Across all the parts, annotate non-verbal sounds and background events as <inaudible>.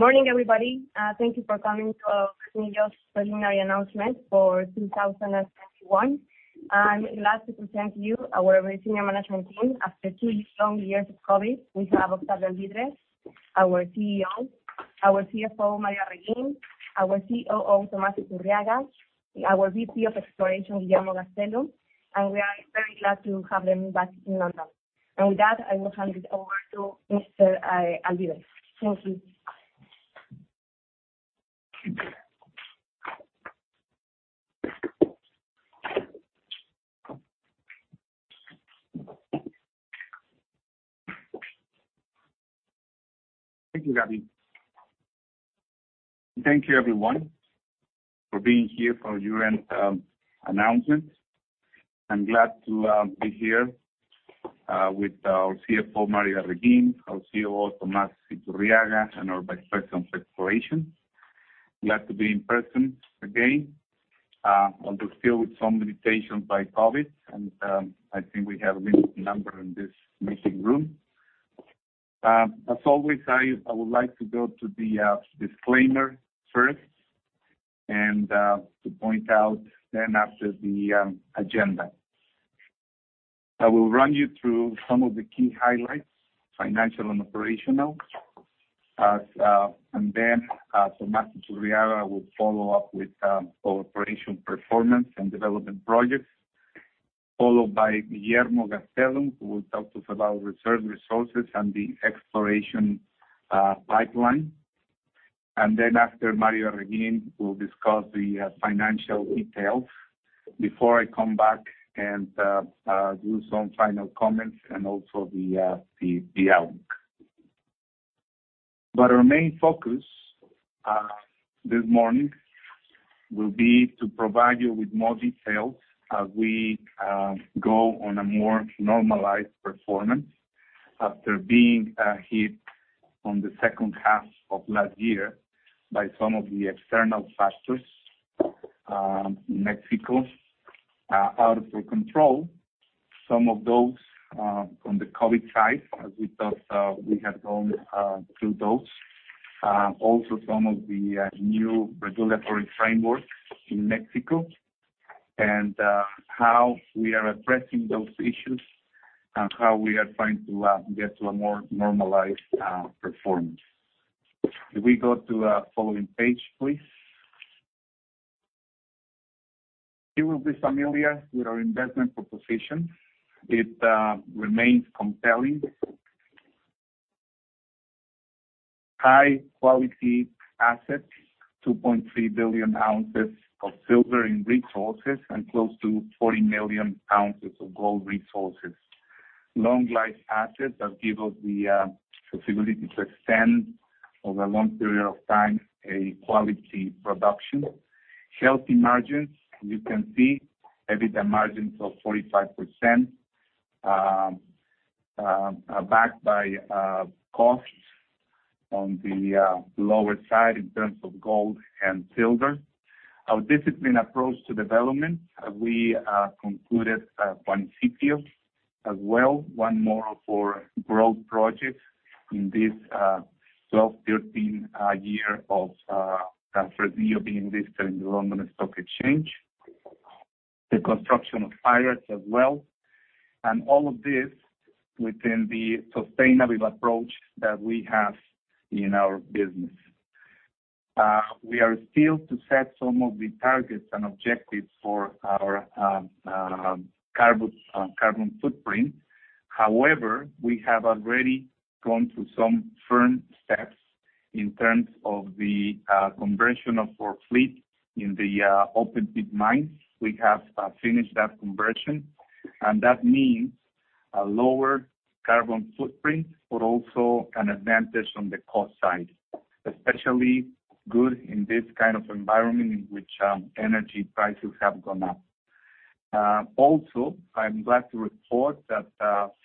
Morning, everybody. Thank you for coming to our Fresnillo's Preliminary Announcement for 2021. I'm glad to present to you our senior management team after two long years of COVID. We have Octavio Alvídrez, our CEO, our CFO, Mario Arreguín, our COO, Tomás Iturriaga, our VP of Exploration, Guillermo Gastélum. We are very glad to have them back in London. With that, I will hand it over to Mr. Alvídrez. Thank you. Thank you, Gaby. Thank you, everyone, for being here for year-end announcement. I'm glad to be here with our CFO, Mario Arreguín, our COO, Tomás Iturriaga, and our Vice President of Exploration. Glad to be in person again, although still with some limitations by COVID. I think we have a good number in this meeting room. As always, I would like to go to the disclaimer first to point out and then after the agenda. I will run you through some of the key highlights, financial and operational. Tomás Iturriaga will follow up with our operational performance and development projects, followed by Guillermo Gastélum, who will talk to us about reserves and resources and the exploration pipeline. After Mario Arreguín will discuss the financial details before I come back and do some final comments and also the outlook. Our main focus this morning will be to provide you with more details as we go on a more normalized performance after being hit on the second half of last year by some of the external factors in Mexico out of our control. Some of those from the COVID side, as we thought we had gone through those. Also some of the new regulatory framework in Mexico and how we are addressing those issues and how we are trying to get to a more normalized performance. Can we go to the following page, please? You will be familiar with our investment proposition. It remains compelling. High-quality assets, 2.3 billion ounces of silver in resources, and close to 40 million ounces of gold resources. Long life assets that give us the possibility to extend over a long period of time a quality production. Healthy margins, you can see EBITDA margins of 45%, backed by costs on the lower side in terms of gold and silver. Our disciplined approach to development, we concluded Juanicipio as well, one more for growth projects in this 12, 13 year of Fresnillo being listed in the London Stock Exchange. The construction of Pyrites as well. All of this within the sustainable approach that we have in our business. We are still to set some of the targets and objectives for our carbon footprint. However, we have already gone through some firm steps in terms of the conversion of our fleet in the open-pit mines. We have finished that conversion, and that means a lower carbon footprint, but also an advantage on the cost side. Especially good in this kind of environment in which energy prices have gone up. Also, I'm glad to report that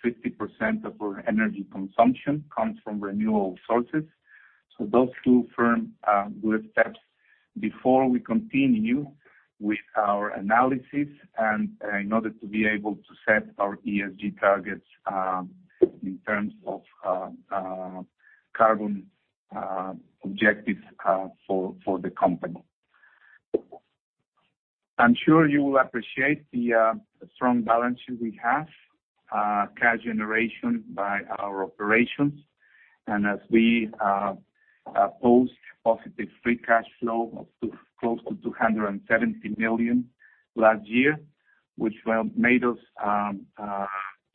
50% of our energy consumption comes from renewable sources. Those two firm good steps before we continue with our analysis and in order to be able to set our ESG targets in terms of carbon objectives for the company. I'm sure you will appreciate the strong balance sheet we have. Cash generation by our operations. As we post positive free cash flow of close to $270 million last year, which made us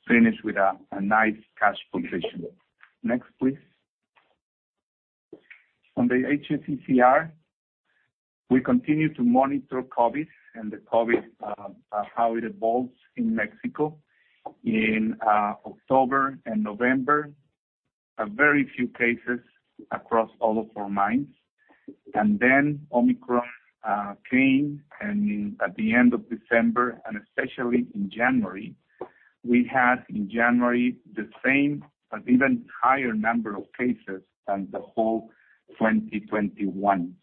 finish with a nice cash position. Next, please. On the HSECR, we continue to monitor COVID and how it evolves in Mexico. In October and November, very few cases across all of our mines. Then Omicron came at the end of December, and especially in January. We had in January the same, but even higher number of cases than the whole 2021.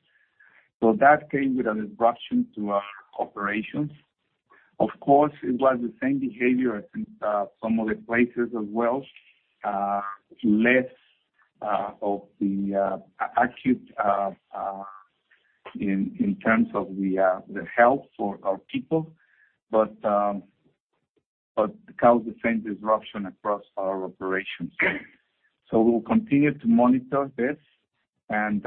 That came with a disruption to our operations. Of course, it was the same behavior as in some other places as well. Less acute in terms of the health for our people, but caused the same disruption across our operations. We will continue to monitor this and,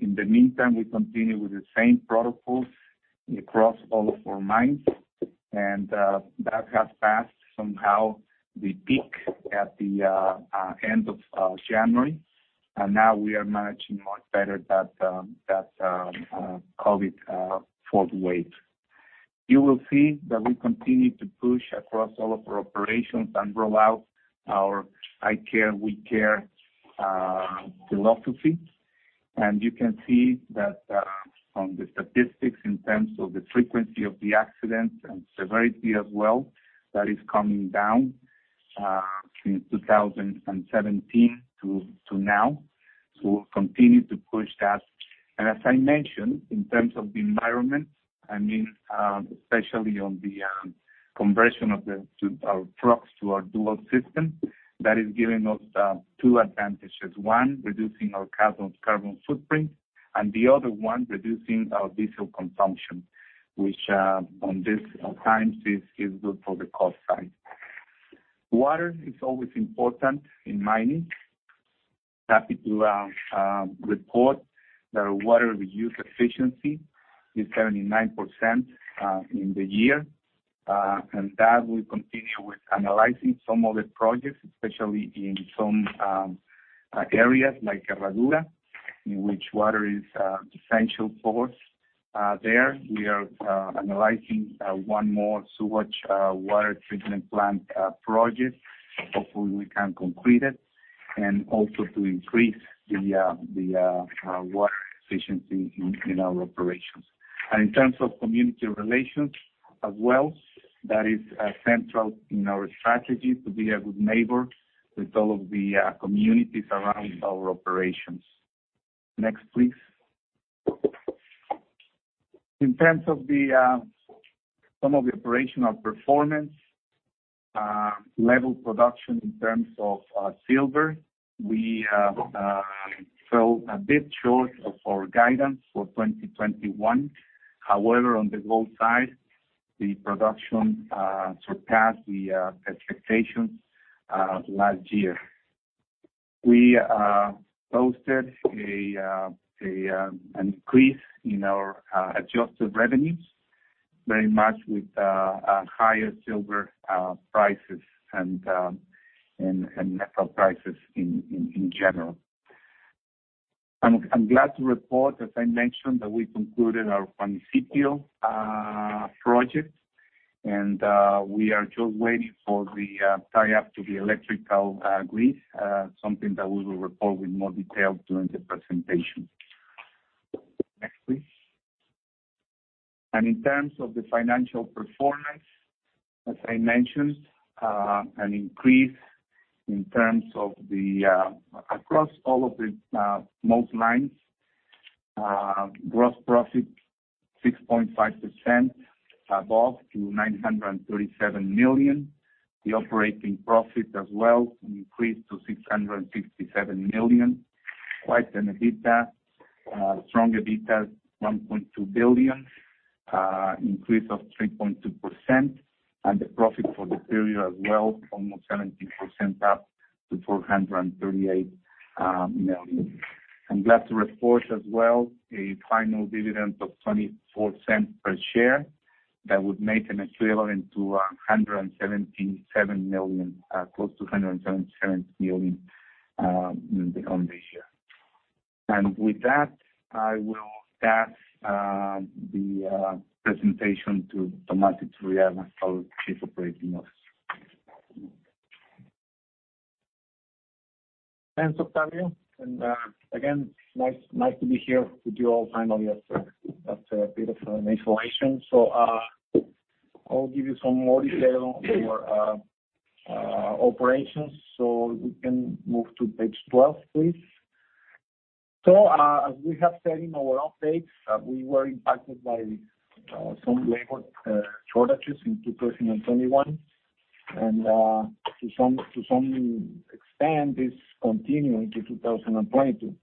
in the meantime, we continue with the same protocols across all of our mines and that has passed somehow the peak at the end of January. Now we are managing much better that COVID fourth wave. You will see that we continue to push across all of our operations and roll out our I Care, We Care philosophy. You can see that from the statistics in terms of the frequency of the accidents and severity as well, that is coming down since 2017 to now. We'll continue to push that. As I mentioned, in terms of the environment, I mean, especially on the conversion of our trucks to our dual system, that is giving us two advantages. One, reducing our carbon footprint, and the other one, reducing our diesel consumption, which in these times is good for the cost side. Water is always important in mining. Happy to report that our water reuse efficiency is 79% in the year. That will continue with analyzing some other projects, especially in some areas like Herradura, in which water is essential for us. There we are analyzing one more sewage water treatment plant project. Hopefully, we can complete it. Also to increase the water efficiency in our operations. In terms of community relations as well, that is central in our strategy to be a good neighbor with all of the communities around our operations. Next, please. In terms of some of the operational performance level production in terms of silver, we fell a bit short of our guidance for 2021. However, on the gold side, the production surpassed the expectations last year. We posted an increase in our adjusted revenues, very much with higher silver prices and metal prices in general. I'm glad to report, as I mentioned, that we concluded our Juanicipio project, and we are just waiting for the tie-up to the electrical grid, something that we will report with more detail during the presentation. Next, please. In terms of the financial performance, as I mentioned, an increase across all of the most lines. Gross profit 6.5% above to $937 million. The operating profit as well increased to $667 million. Quite a strong EBITDA, $1.2 billion, increase of 3.2%. The profit for the period as well, almost 17% up to $438 million. I'm glad to report as well a final dividend of $0.24 per share that would make an equivalent to $177 million, close to $177 million, on the year. With that, I will pass the presentation to Tomás Iturriaga, our Chief Operating Officer. Thanks, Octavio. Again, nice to be here with you all finally after a bit of an isolation. I'll give you some more detail on our operations. We can move to page 12, please. As we have said in our updates, we were impacted by some labor shortages in 2021. To some extent, it's continuing to 2022.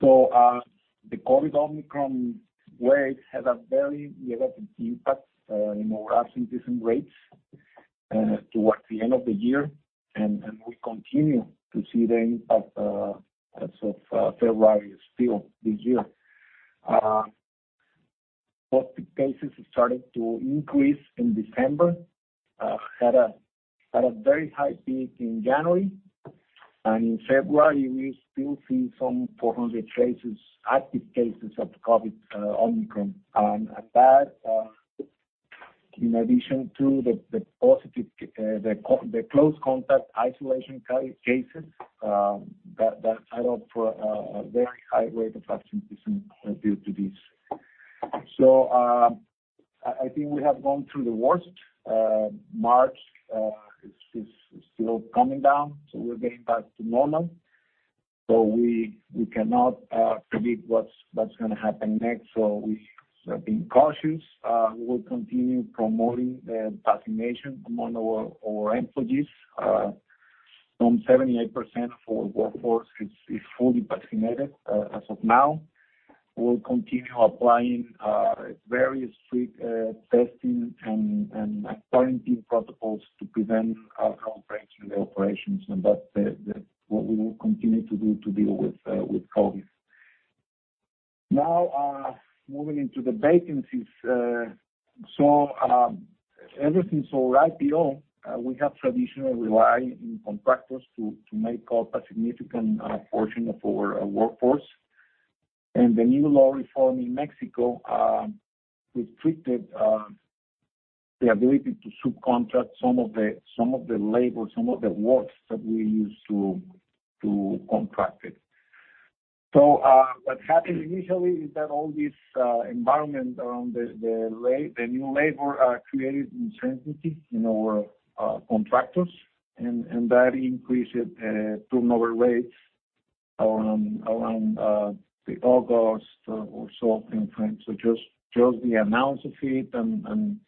The COVID Omicron wave had a very relevant impact in our absenteeism rates towards the end of the year. We continue to see the impact as of February still this year. Positive cases started to increase in December and had a very high peak in January. In February, we still see some 400 active cases of COVID, Omicron. That, in addition to the positive cases, the close contact isolation cases, that add up to a very high rate of absenteeism due to this. I think we have gone through the worst. March is still coming down, so we're getting back to normal. We cannot predict what's gonna happen next, so we sort of being cautious. We will continue promoting the vaccination among our employees. Some 78% of our workforce is fully vaccinated as of now. We'll continue applying various free testing and quarantine protocols to prevent outbreaks in the operations, and that's what we will continue to do to deal with COVID. Now, moving into the vacancies. Ever since our IPO, we have traditionally relied on contractors to make up a significant portion of our workforce. The new labor reform in Mexico restricted the ability to subcontract some of the labor, some of the work that we used to contracted. What happened initially is that all this environment around the new labor created uncertainty in our contractors and that increased turnover rates around the August or so timeframe. Just the amounts of it and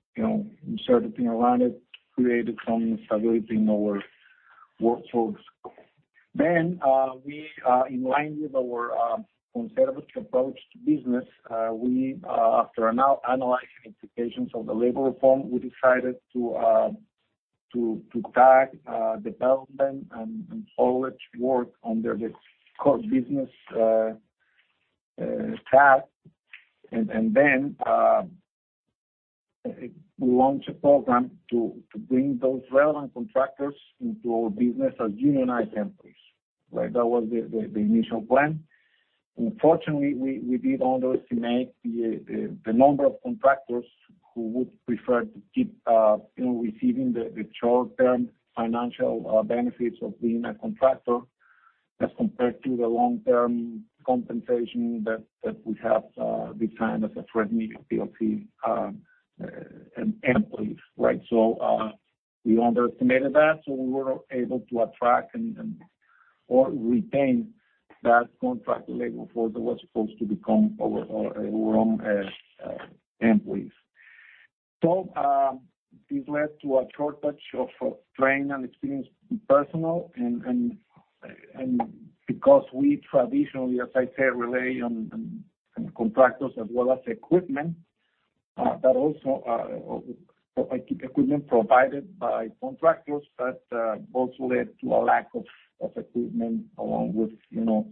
uncertainty around it created some instability in our workforce. In line with our conservative approach to business, after analyzing implications of the labor reform, we decided to tag development and all related work under the core business tag. Then we launched a program to bring those relevant contractors into our business as unionized employees, right? That was the initial plan. Unfortunately, we did underestimate the number of contractors who would prefer to keep receiving the short-term financial benefits of being a contractor as compared to the long-term compensation that we have defined as Fresnillo plc employees, right? We underestimated that, so we weren't able to attract or retain that contractor labor force that was supposed to become our own employees. This led to a shortage of trained and experienced personnel, and because we traditionally, as I said, rely on contractors as well as equipment provided by contractors, that also led to a lack of equipment along with, you know,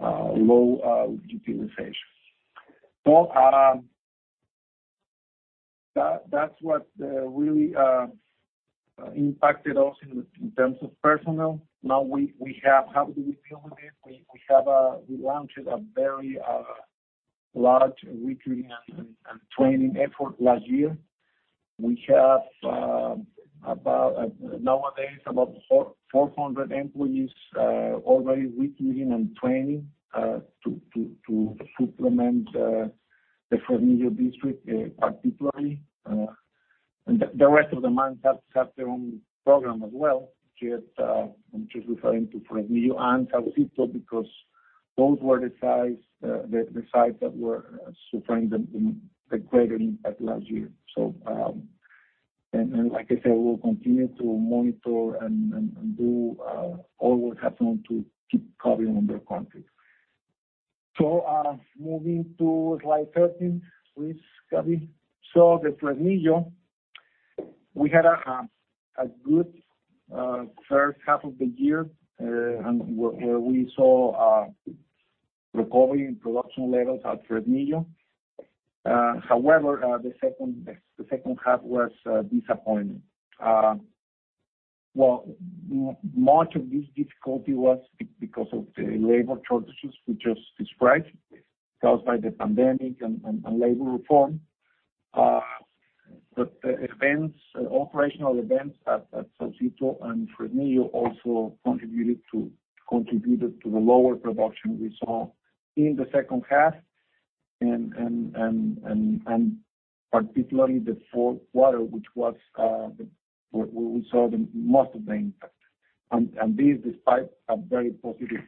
low utilization. That's what really impacted us in terms of personnel. Now, how do we deal with this? We launched a very large recruiting and training effort last year. We have about nowadays 400 employees already recruiting and training to supplement the Fresnillo District particularly. The rest of the mines have their own program as well. Just, I'm just referring to Fresnillo and Saucito because those were the sites that were suffering the greater impact last year. Like I said, we'll continue to monitor and do all we have to keep COVID under control. Moving to slide 13, please, Gaby. The Fresnillo, we had a good first half of the year and where we saw recovery in production levels at Fresnillo. However, the second half was disappointing. Well, much of this difficulty was because of the labor shortages we just described, caused by the pandemic and labor reform. Operational events at Saucito and Fresnillo also contributed to the lower production we saw in the second half and particularly the fourth quarter, which was where we saw the most of the impact. This despite a very positive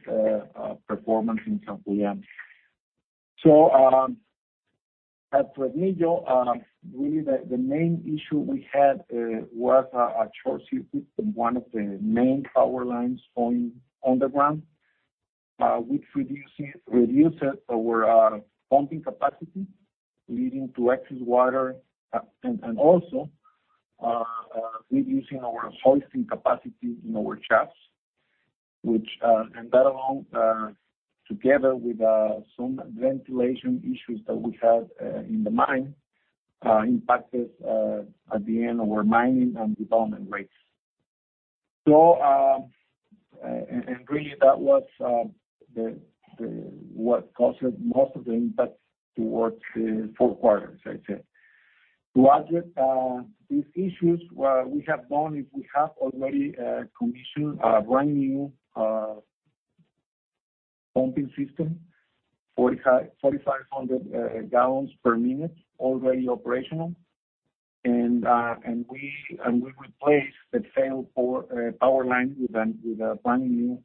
performance in San Julián. At Fresnillo, really the main issue we had was a short circuit in one of the main power lines on the ground, which reduced our pumping capacity, leading to excess water and also reducing our hoisting capacity in our shafts, and that, along together with some ventilation issues that we had in the mine, impacted, at the end, our mining and development rates. Really that was what caused most of the impact towards the fourth quarter, as I said. To address these issues, what we have done is we have already commissioned a brand-new pumping system 45,000 gallons per minute already operational. We replaced the failed power line with a brand new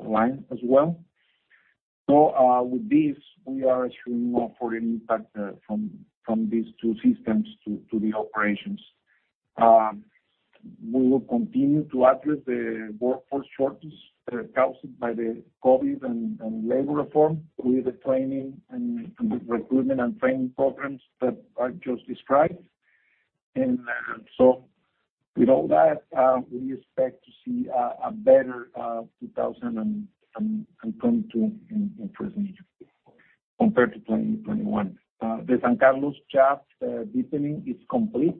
line as well. With this we are assuming no further impact from these two systems to the operations. We will continue to address the workforce shortage that are caused by the COVID and labor reform with the training and recruitment and training programs that I just described. With all that, we expect to see a better 2022 in production compared to 2021. The San Carlos shaft deepening is complete.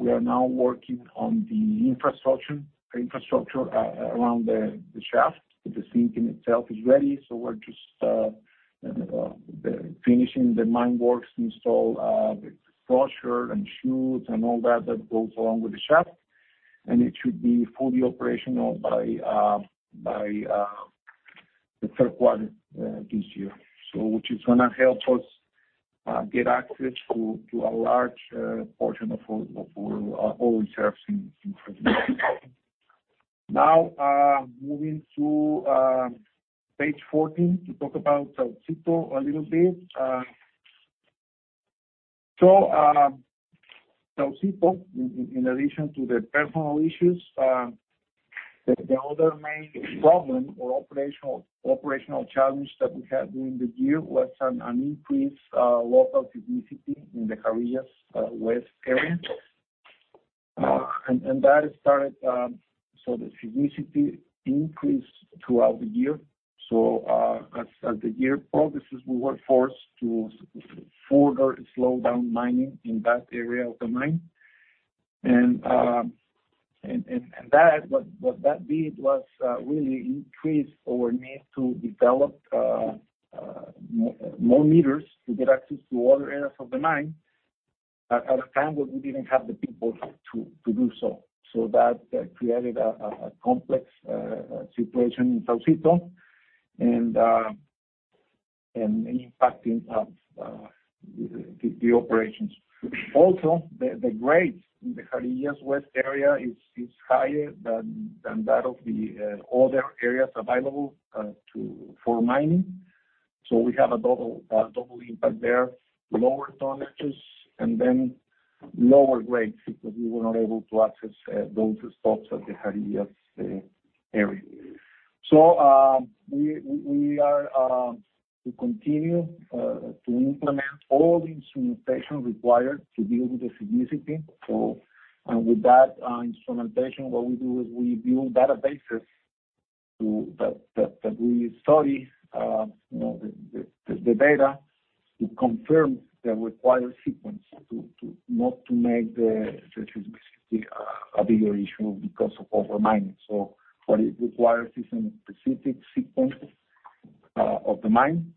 We are now working on the infrastructure around the shaft. The sinking itself is ready, so we're just finishing the mine works to install the crusher and chutes and all that that goes along with the shaft. It should be fully operational by the third quarter this year. Which is gonna help us get access to a large portion of our ore reserves in. <audio distortion> Now, moving to page 14 to talk about Saucito a little bit. Saucito, in addition to the personal issues, the other main problem or operational challenge that we had during the year was an increased water toxicity in the Jarillas West area, and that started. The toxicity increased throughout the year. As the year progresses, we were forced to further slow down mining in that area of the mine. That did was really increase our need to develop more meters to get access to other areas of the mine at a time when we didn't have the people to do so. That created a complex situation in Saucito and impacting the operations. Also, the grades in the Jarillas West area is higher than that of the other areas available for mining. We have a double impact there. Lower tonnages and then lower grades because we were not able to access those stops at the Jarillas area. We are to continue to implement all the instrumentation required to deal with the toxicity. With that instrumentation, what we do is we build databases that we study, you know, the data to confirm the required sequence to not make the toxicity a bigger issue because of over mining. What it requires is a specific sequence of the mine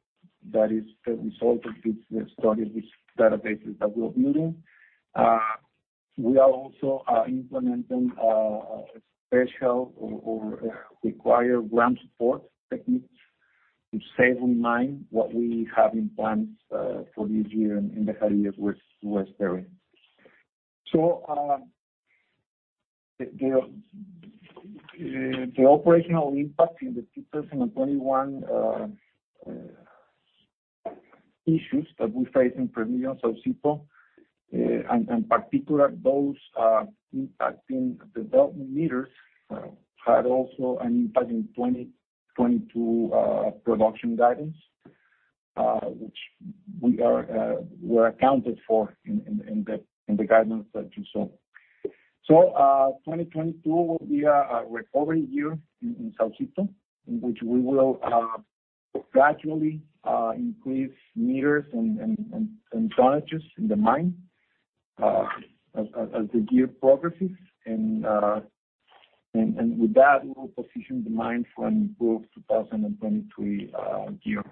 that is the result of these studies with databases that we are building. We are also implementing a special or required ramp support techniques to safely mine what we have in plans for this year in the Jarillas West area. The operational impact in the 2021 issues that we faced in Fresnillo and Saucito, and in particular those impacting development meters, had also an impact in 2022 production guidance. Which we were accounted for in the guidance that you saw. 2022 will be a recovery year in Saucito. In which we will gradually increase meters and tonnages in the mine as the year progresses. With that, we'll position the mine for an improved 2023 year.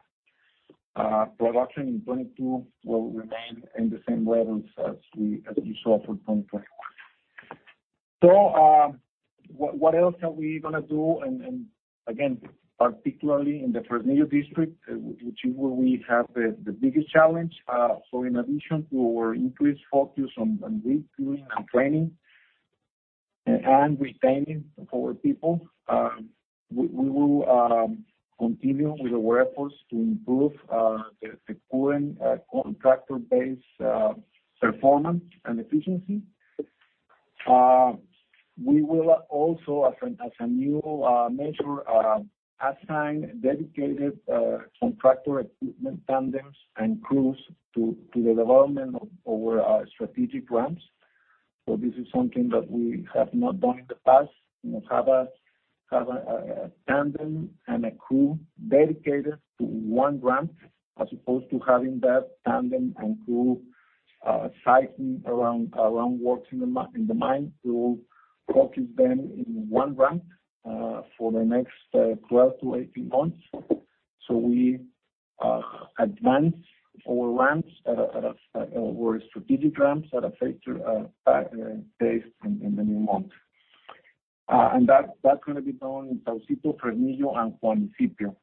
Production in 2022 will remain in the same levels as you saw for 2021. What else are we gonna do? Particularly in the Fresnillo District, which is where we have the biggest challenge. In addition to our increased focus on recruiting and training and retaining our people, we will continue with our efforts to improve the current contractor-based performance and efficiency. We will also as a new measure assign dedicated contractor equipment tandems and crews to the development of our strategic ramps. This is something that we have not done in the past. You know, have a tandem and a crew dedicated to one ramp as opposed to having that tandem and crew cycling around works in the mine. We will focus them in one ramp for the next 12-18 months. We advance our strategic ramps at a faster pace in the new month. That's gonna be done in Saucito, Fresnillo and Juanicipio.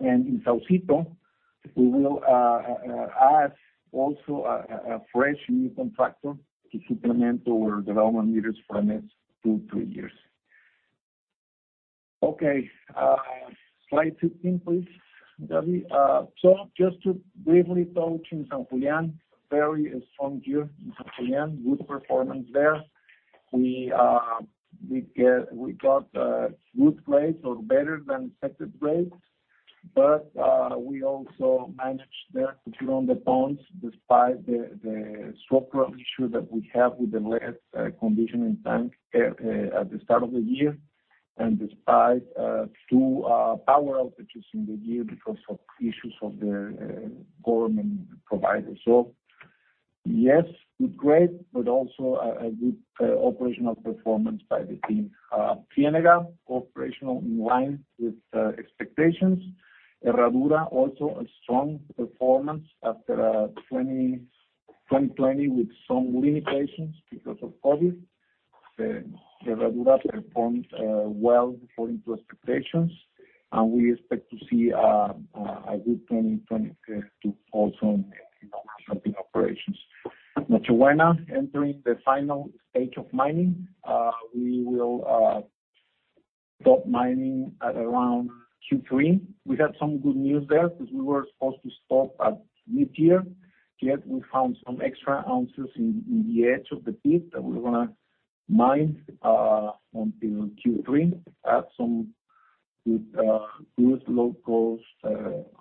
In Saucito, we will add also a fresh new contractor to supplement our development leaders for the next two-three years. Okay. Slide 15, please, Gaby. Just to briefly touch on San Julián, very strong year in San Julián, good performance there. We got good grades or better than expected grades. We also managed there to turn the ponds despite the structural issue that we have with the less conditioning time at the start of the year, and despite power power outages in the year because of issues of the government provider. Yes, good grade, but also a good operational performance by the team. Ciénega operational in line with expectations. Herradura also a strong performance after 2020 with some limitations because of COVID. Herradura performed well according to expectations, and we expect to see a good 2022 also in operational operations. Noche Buena entering the final stage of mining. We will stop mining at around Q3. We had some good news there because we were supposed to stop at mid-year, yet we found some extra ounces in the edge of the pit that we're gonna mine until Q3. Add some good low-cost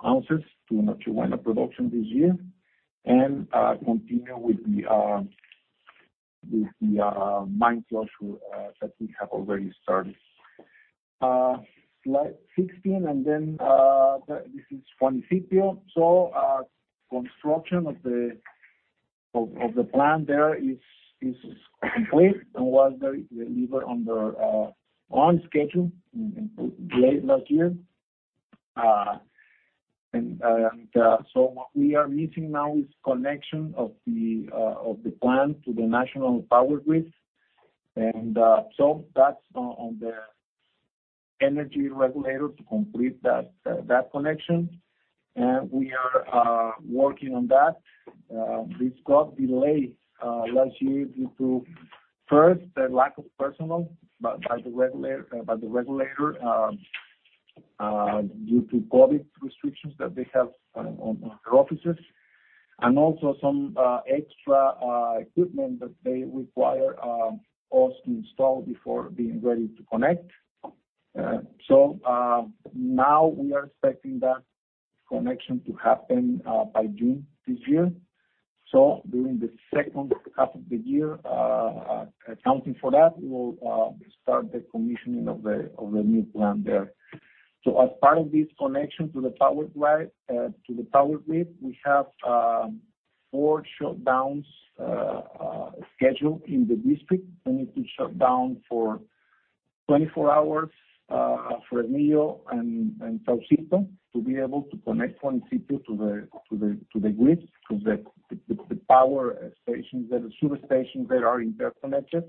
ounces to Noche Buena production this year. Continue with the mine closure that we have already started. Slide 16, and then this is Juanicipio. Construction of the plant there is complete and was delivered on schedule in late last year. What we are missing now is connection of the plant to the national power grid. That's on the energy regulator to complete that connection. We are working on that. This got delayed last year due to, first, the lack of personnel by the regulator due to COVID restrictions that they have on their offices. Also some extra equipment that they require us to install before being ready to connect. Now we are expecting that connection to happen by June this year. During the second half of the year, accounting for that, we will start the commissioning of the new plant there. As part of this connection to the power grid, we have four shutdowns scheduled in the district. We need to shut down for 24 hours, Fresnillo and Saucito to be able to connect Juanicipio to the grid, the power stations, the substations that are interconnected.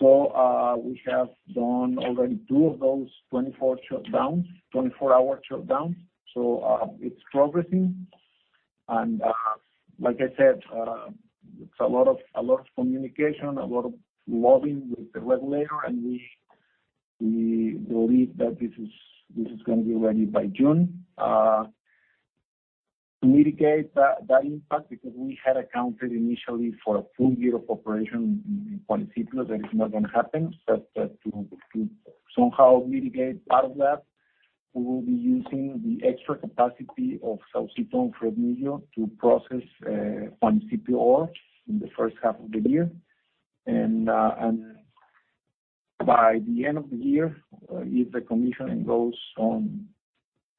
We have done already two of those 24-hour shutdowns. It's progressing. Like I said, it's a lot of communication, a lot of lobbying with the regulator. We believe that this is gonna be ready by June. To mitigate that impact because we had accounted initially for a full year of operation in Juanicipio. That is not gonna happen. To somehow mitigate part of that, we will be using the extra capacity of Saucito and Fresnillo to process Juanicipio ore in the first half of the year. By the end of the year, if the commissioning goes on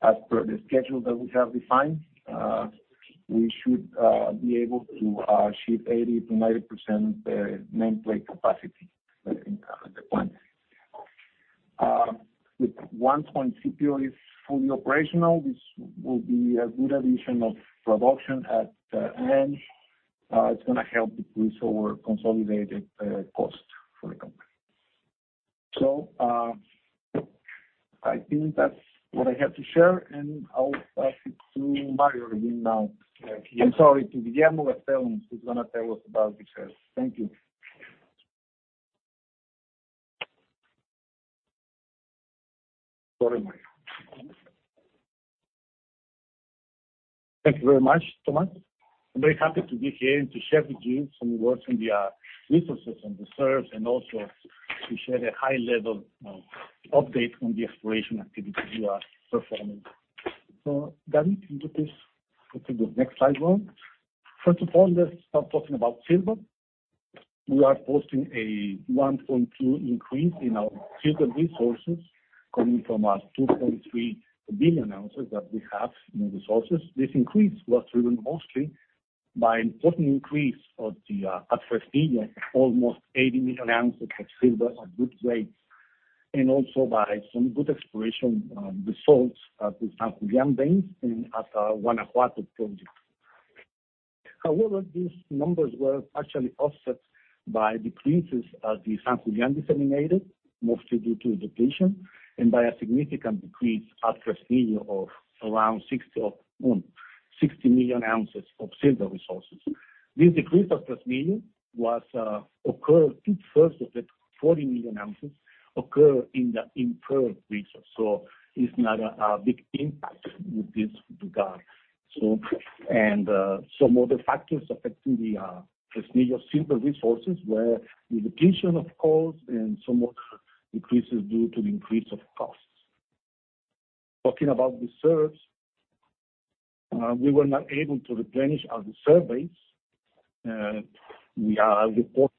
as per the schedule that we have defined, we should be able to achieve 80%-90% nameplate capacity in the plant. Once Juanicipio is fully operational, this will be a good addition of production at the end. It's gonna help decrease our consolidated cost for the company. I think that's what I have to share, and I'll pass it to Mario again now. I'm sorry, to Guillermo Gastélum who's gonna tell us about the reserves. Thank you. Go ahead, Mario. Thank you very much, Tomás. I'm very happy to be here and to share with you some words on the resources and reserves, and also to share a high-level update on the exploration activities we are performing. Gaby, can you please go to the next slide now? First of all, let's start talking about silver. We are posting a 1.2% increase in our silver resources coming from our 2.3 billion ounces that we have in resources. This increase was driven mostly by important increase at [Fresnillo], almost 80 million ounces of silver at good grades, and also by some good exploration results at the San Julián veins and at our Guanajuato project. However, these numbers were actually offset by decreases at the San Julián disseminated, mostly due to depletion and by a significant decrease at Tres Ríos of around 60 million ounces of silver resources. This decrease at Tres Ríos occurred two-thirds of the 40 million ounces occur in the inferred region. It's not a big impact with this regard. Some other factors affecting the Tres Ríos silver resources were the depletion of coals and some other decreases due to the increase of costs. Talking about reserves, we were not able to replenish our reserves. We are report.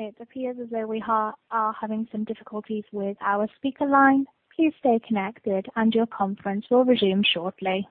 It appears as though we are having some difficulties with our speaker line. Please stay connected and your conference will resume shortly.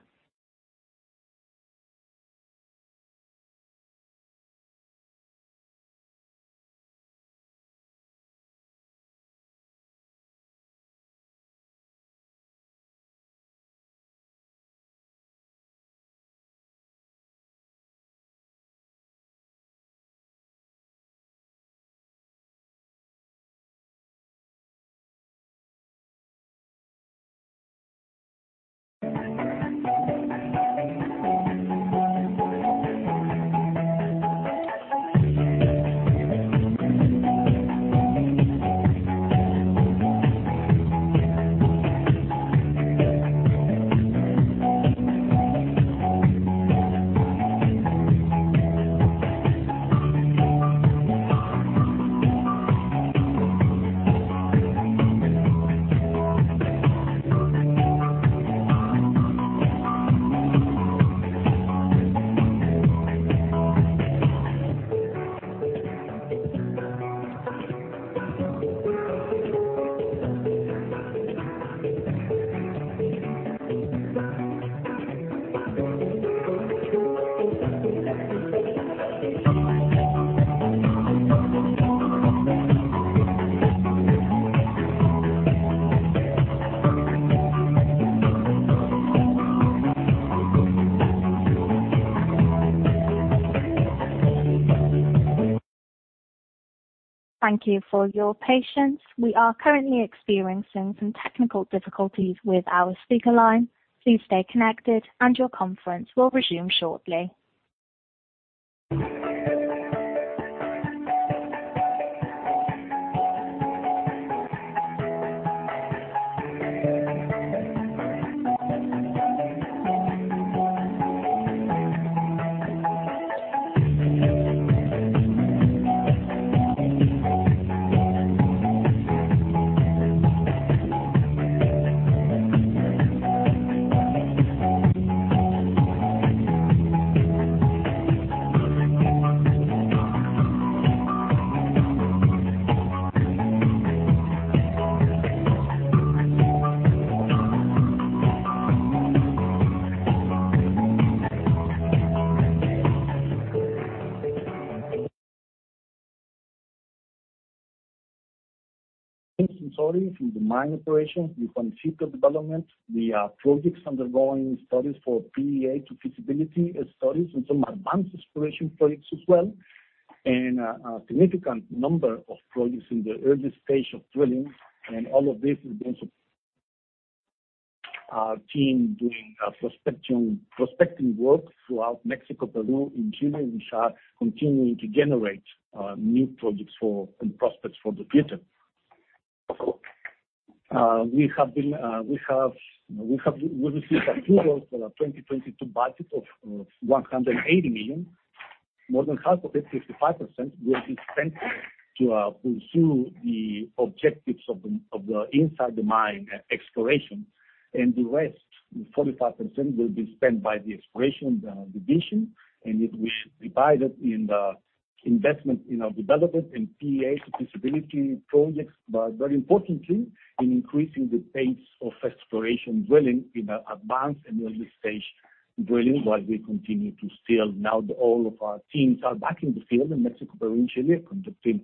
Thank you for your patience. We are currently experiencing some technical difficulties with our speaker line. Please stay connected and your conference will resume shortly. Sorry. From the mine operation, we consider development the projects undergoing studies for PEA to feasibility studies and some advanced exploration projects as well. A significant number of projects in the early stage of drilling. All of this is being our team doing prospecting work throughout Mexico, Peru and Chile, which are continuing to generate new projects and prospects for the future. We have received approvals for our 2022 budget of $180 million. More than half of it, 65%, will be spent to pursue the objectives of the inside the mine exploration. The rest, the 45%, will be spent by the exploration division. It will be divided in the investment in our development and PEA feasibility projects. Very importantly, in increasing the pace of exploration drilling in our advanced and early stage drilling, while we continue to scale. Now all of our teams are back in the field in Mexico, Peru, and Chile, conducting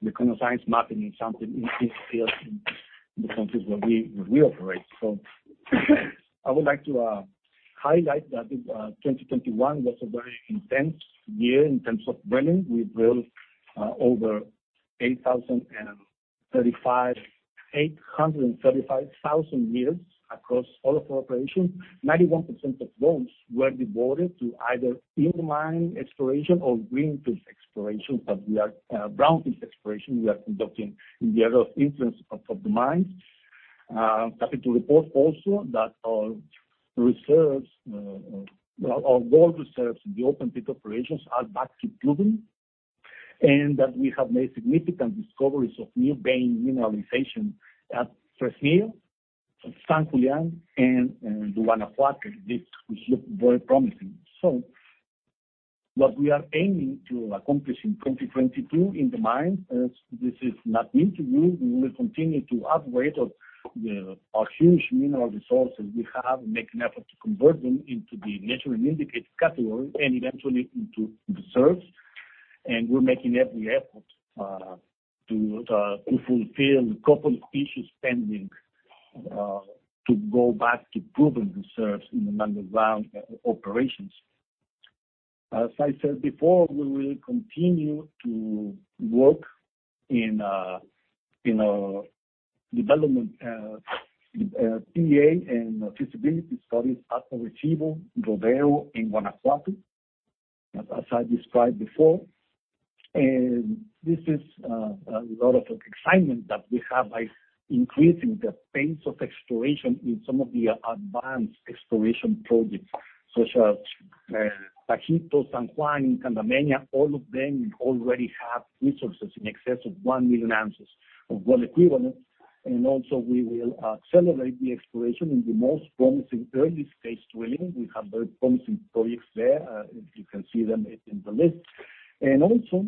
the kind of science mapping and sampling in field in the countries where we operate. I would like to highlight that in 2021 was a very intense year in terms of drilling. We drilled over 835,000 meters across all of our operations. 91% of those were devoted to either in the mine exploration or greenfield exploration. We are brownfield exploration we are conducting in the area of influence of the mines. I'm happy to report also that our reserves, our gold reserves in the open pit operations are back to proven. That we have made significant discoveries of new vein mineralization at Fresnillo, San Julián, and the Guanajuato, which look very promising. What we are aiming to accomplish in 2022 in the mines, as this is not new to you, we will continue to upgrade our huge mineral resources we have and make an effort to convert them into the measured and indicated category, and eventually into reserves. We're making every effort to fulfill a couple of issues pending to go back to proven reserves in the underground operations. As I said before, we will continue to work in development, PEA and feasibility studies at Orisyvo, Rodeo and Guanajuato, as I described before. This is a lot of excitement that we have by increasing the pace of exploration in some of the advanced exploration projects, such as Tajitos, San Julián, and Candameña. All of them already have resources in excess of 1 million ounces of gold equivalent. Also we will celebrate the exploration in the most promising early stage drilling. We have very promising projects there, as you can see them in the list. Also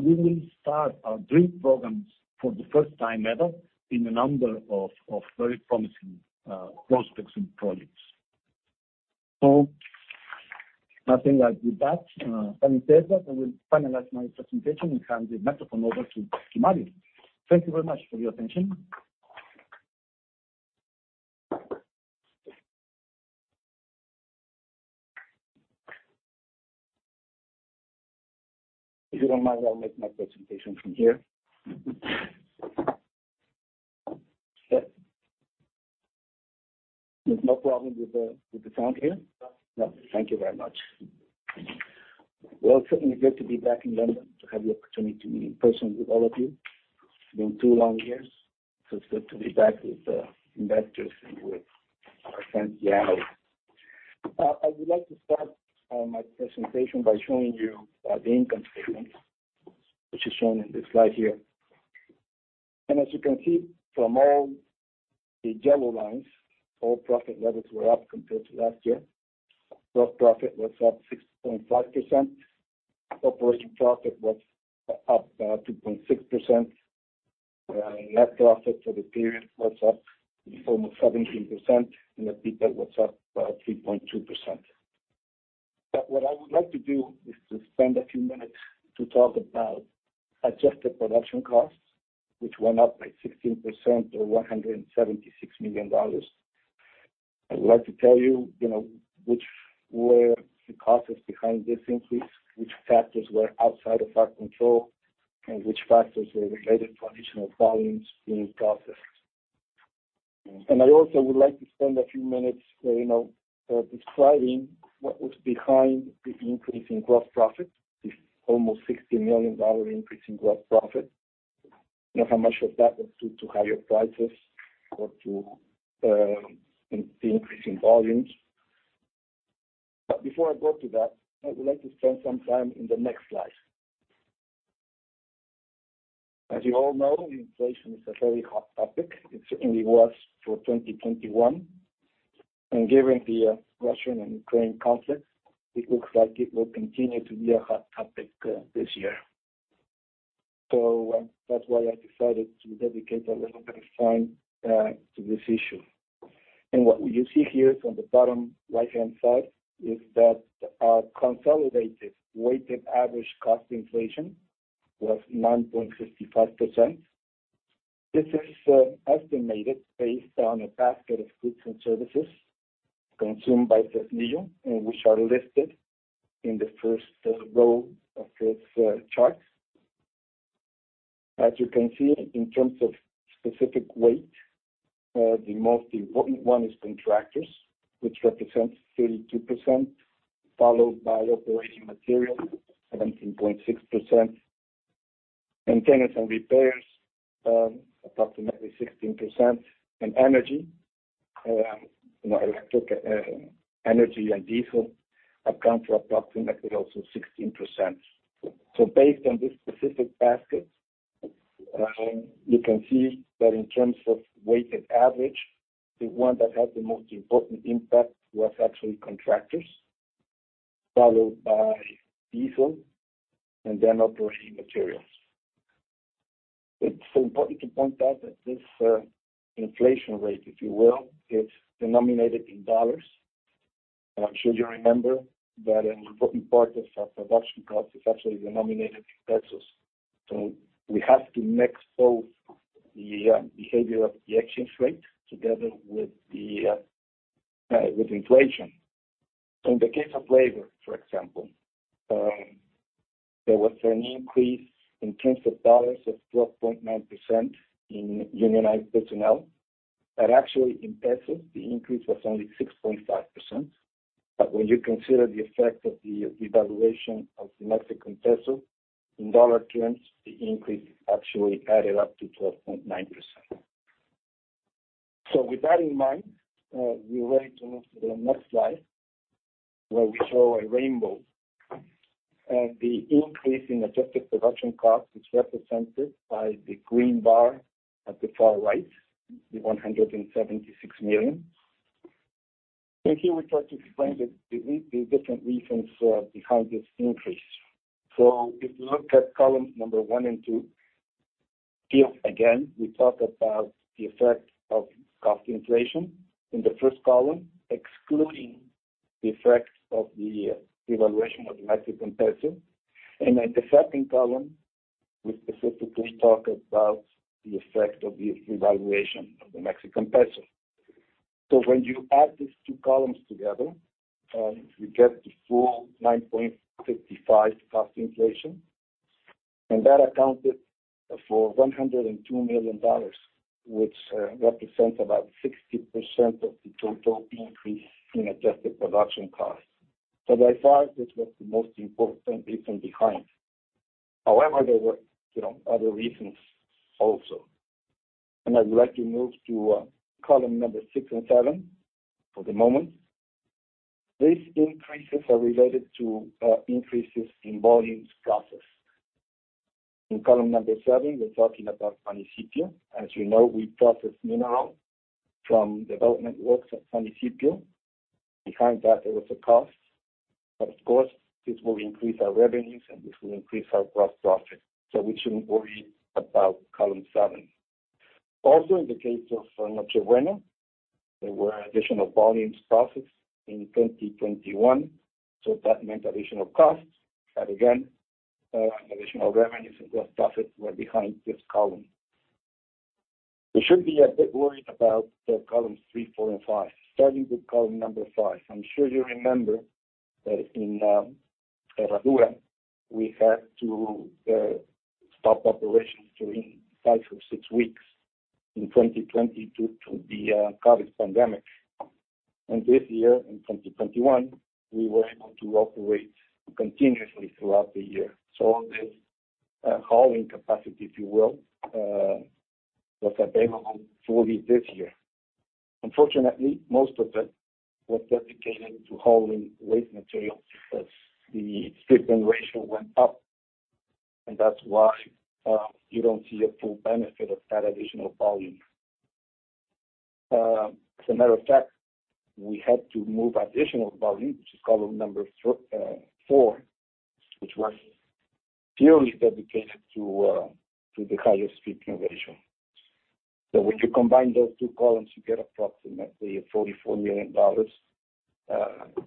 we will start our drill programs for the first time ever in a number of very promising prospects and projects. Nothing else with that. Having said that, I will finalize my presentation and hand the microphone over to Mario. Thank you very much for your attention. If you don't mind, I'll make my presentation from here. There's no problem with the sound here? No. No. Thank you very much. Well, it's certainly great to be back in London to have the opportunity to meet in person with all of you. It's been two long years, so it's good to be back with investors and with our friends at analysts. I would like to start my presentation by showing you the income statement, which is shown in this slide here. As you can see from all the yellow lines, all profit levels were up compared to last year. Gross profit was up 6.5%. Operating profit was up 2.6%. Net profit for the period was up almost 17%, and EBITDA was up 3.2%. What I would like to do is to spend a few minutes to talk about adjusted production costs, which went up by 16% or $176 million. I would like to tell you know, which were the causes behind this increase, which factors were outside of our control, and which factors were related to additional volumes being processed. I also would like to spend a few minutes, you know, describing what was behind the increase in gross profit, this almost $60 million increase in gross profit. You know, how much of that was due to higher prices or to increasing volumes. Before I go to that, I would like to spend some time in the next slide. As you all know, inflation is a very hot topic. It certainly was for 2021. Given the Russia-Ukraine conflict, it looks like it will continue to be a hot topic this year. That's why I decided to dedicate a little bit of time to this issue. You see here from the bottom right-hand side that our consolidated weighted average cost inflation was 9.65%. This is estimated based on a basket of goods and services consumed by Fresnillo, and which are listed in the first row of this chart. As you can see, in terms of specific weight, the most important one is contractors, which represents 32%, followed by operating material, 17.6%. Maintenance and repairs approximately 16%. Energy, you know, electric energy and diesel account for approximately also 16%. Based on this specific basket, you can see that in terms of weighted average, the one that had the most important impact was actually contractors, followed by diesel and then operating materials. It's important to point out that this inflation rate, if you will, is denominated in dollars. I'm sure you remember that an important part of our production cost is actually denominated in pesos. We have to mix both the behavior of the exchange rate together with inflation. In the case of labor, for example, there was an increase in terms of dollars of 12.9% in unionized personnel. Actually in pesos, the increase was only 6.5%. When you consider the effect of the devaluation of the Mexican peso, in dollar terms, the increase actually added up to 12.9%. With that in mind, we're ready to move to the next slide, where we show a rainbow. The increase in adjusted production cost is represented by the green bar at the far right, the $176 million. Here we try to explain the different reasons behind this increase. If you look at column number one and two, here again, we talk about the effect of cost inflation in the first column, excluding the effects of the devaluation of the Mexican peso. In the second column, we specifically talk about the effect of the devaluation of the Mexican peso. When you add these two columns together, you get the full 9.55 cost inflation. That accounted for $102 million, which represents about 60% of the total increase in adjusted production costs. By far, this was the most important reason behind. However, there were, you know, other reasons also. I would like to move to column number six and seven for the moment. These increases are related to increases in volumes processed. In column number seven, we're talking about Juanicipio. As you know, we process mineral from development works at Juanicipio. Behind that, there was a cost, but of course, this will increase our revenues, and this will increase our gross profit. We shouldn't worry about column seven. Also, in the case of Noche Buena, there were additional volumes processed in 2021, so that meant additional costs. Again, additional revenues and gross profits were behind this column. We should be a bit worried about the columns three, four, and five. Starting with column number five. I'm sure you remember that in Herradura, we had to stop operations during five or six weeks in 2020 due to the COVID pandemic. This year, in 2021, we were able to operate continuously throughout the year. This hauling capacity, if you will, was available fully this year. Unfortunately, most of it was dedicated to hauling waste material because the strip ratio went up, and that's why you don't see a full benefit of that additional volume. As a matter of fact, we had to move additional volume, which is column number four, which was purely dedicated to the higher stripping ratio. When you combine those two columns, you get approximately $44 million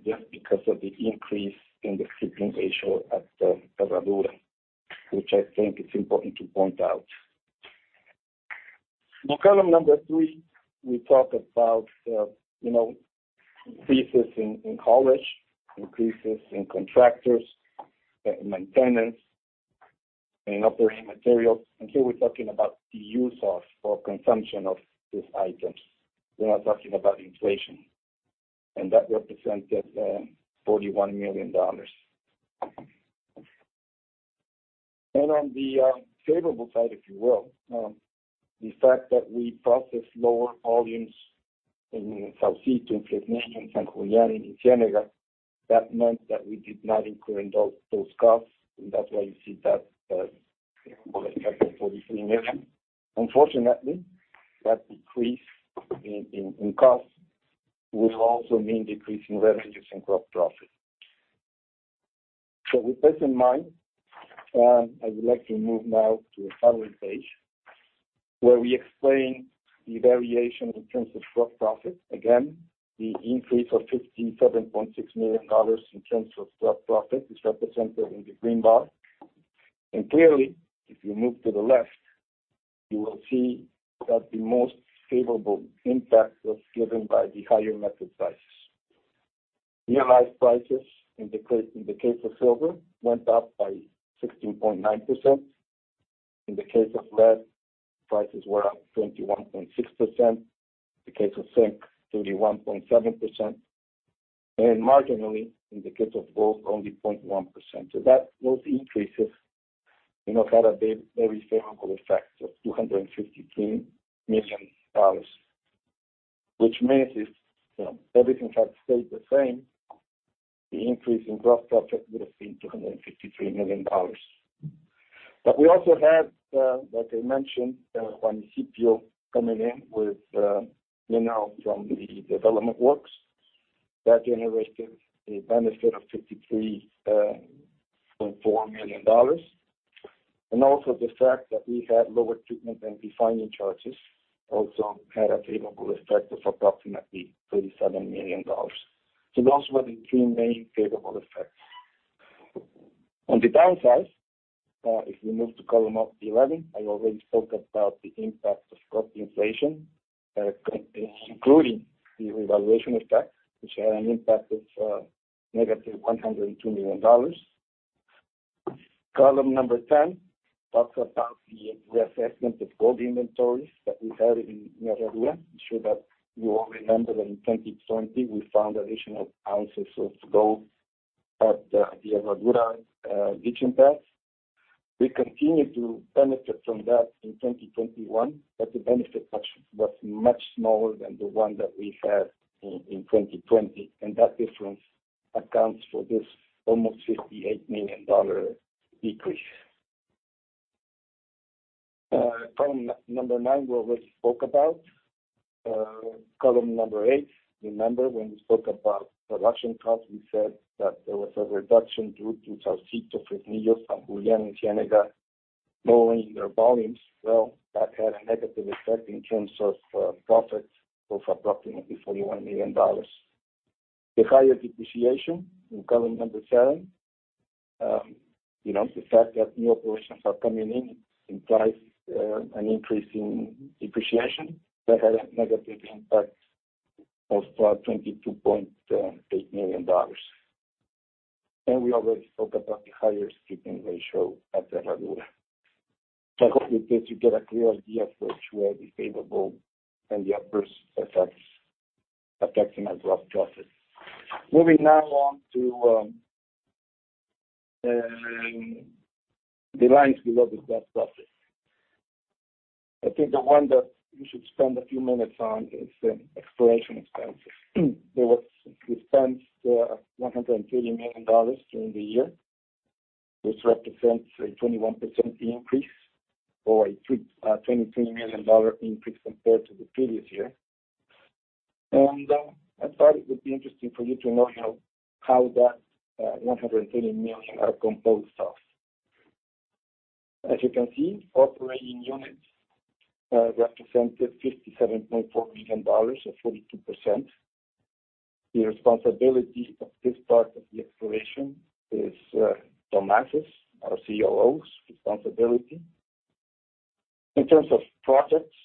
just because of the increase in the stripping ratio at Herradura, which I think is important to point out. In column number three, we talk about you know increases in haulage, increases in contractors in maintenance, in operating materials. Here we're talking about the use of or consumption of these items. We're not talking about inflation. That represented $41 million. On the favorable side, if you will, the fact that we processed lower volumes in Saucito, in Culebrín, in San Juanito, in Ciénega, that meant that we did not incur in those costs. That's why you see that favorable impact of $43 million. Unfortunately, that decrease in costs will also mean decrease in revenues and gross profit. With this in mind, I would like to move now to the summary page, where we explain the variation in terms of gross profit. Again, the increase of $57.6 million in terms of gross profit is represented in the green bar. Clearly, if you move to the left, you will see that the most favorable impact was given by the higher metal prices. Realized prices in the case of silver went up by 16.9%. In the case of lead, prices were up 21.6%. In the case of zinc, 31.7%. Marginally, in the case of gold, only 0.1%. That those increases, you know, had a very favorable effect of $253 million. Which means if, you know, everything had stayed the same, the increase in gross profit would have been $253 million. We also had, like I mentioned, Juanicipio coming in with, you know, from the development works. That generated a benefit of $53.4 million. Also the fact that we had lower treatment and refining charges also had a favorable effect of approximately $37 million. Those were the three main favorable effects. On the downside, if we move to column of the 11, I already spoke about the impact of cost inflation, including the revaluation effect, which had an impact of -$102 million. Column number 10 talks about the reassessment of gold inventories that we had in Herradura. I'm sure that you all remember that in 2020 we found additional ounces of gold at the Herradura leaching pads. We continued to benefit from that in 2021, but the benefit was much smaller than the one that we had in 2020, and that difference accounts for this almost $58 million decrease. Column number nine, we already spoke about. Column number eight, remember when we spoke about production costs, we said that there was a reduction due to Saucito, Fresnillo's, San Julián, and Ciénega lowering their volumes. Well, that had a negative effect in terms of profits of approximately $41 million. The higher depreciation in column number seven, you know, the fact that new operations are coming in, implies an increase in depreciation that had a negative impact of $22.8 million. We already spoke about the higher stripping ratio at Herradura. I hope with this you get a clear idea of the truly favorable and the adverse effects affecting our gross profit. Moving now on to the lines below the gross profit. I think the one that we should spend a few minutes on is exploration expenses. We spent $130 million during the year, which represents a 21% increase or a $23 million increase compared to the previous year. I thought it would be interesting for you to know how that 130 million are composed of. As you can see, operating units represented $57.4 million or 42%. The responsibility of this part of the exploration is Tomás's, our COO's responsibility. In terms of projects,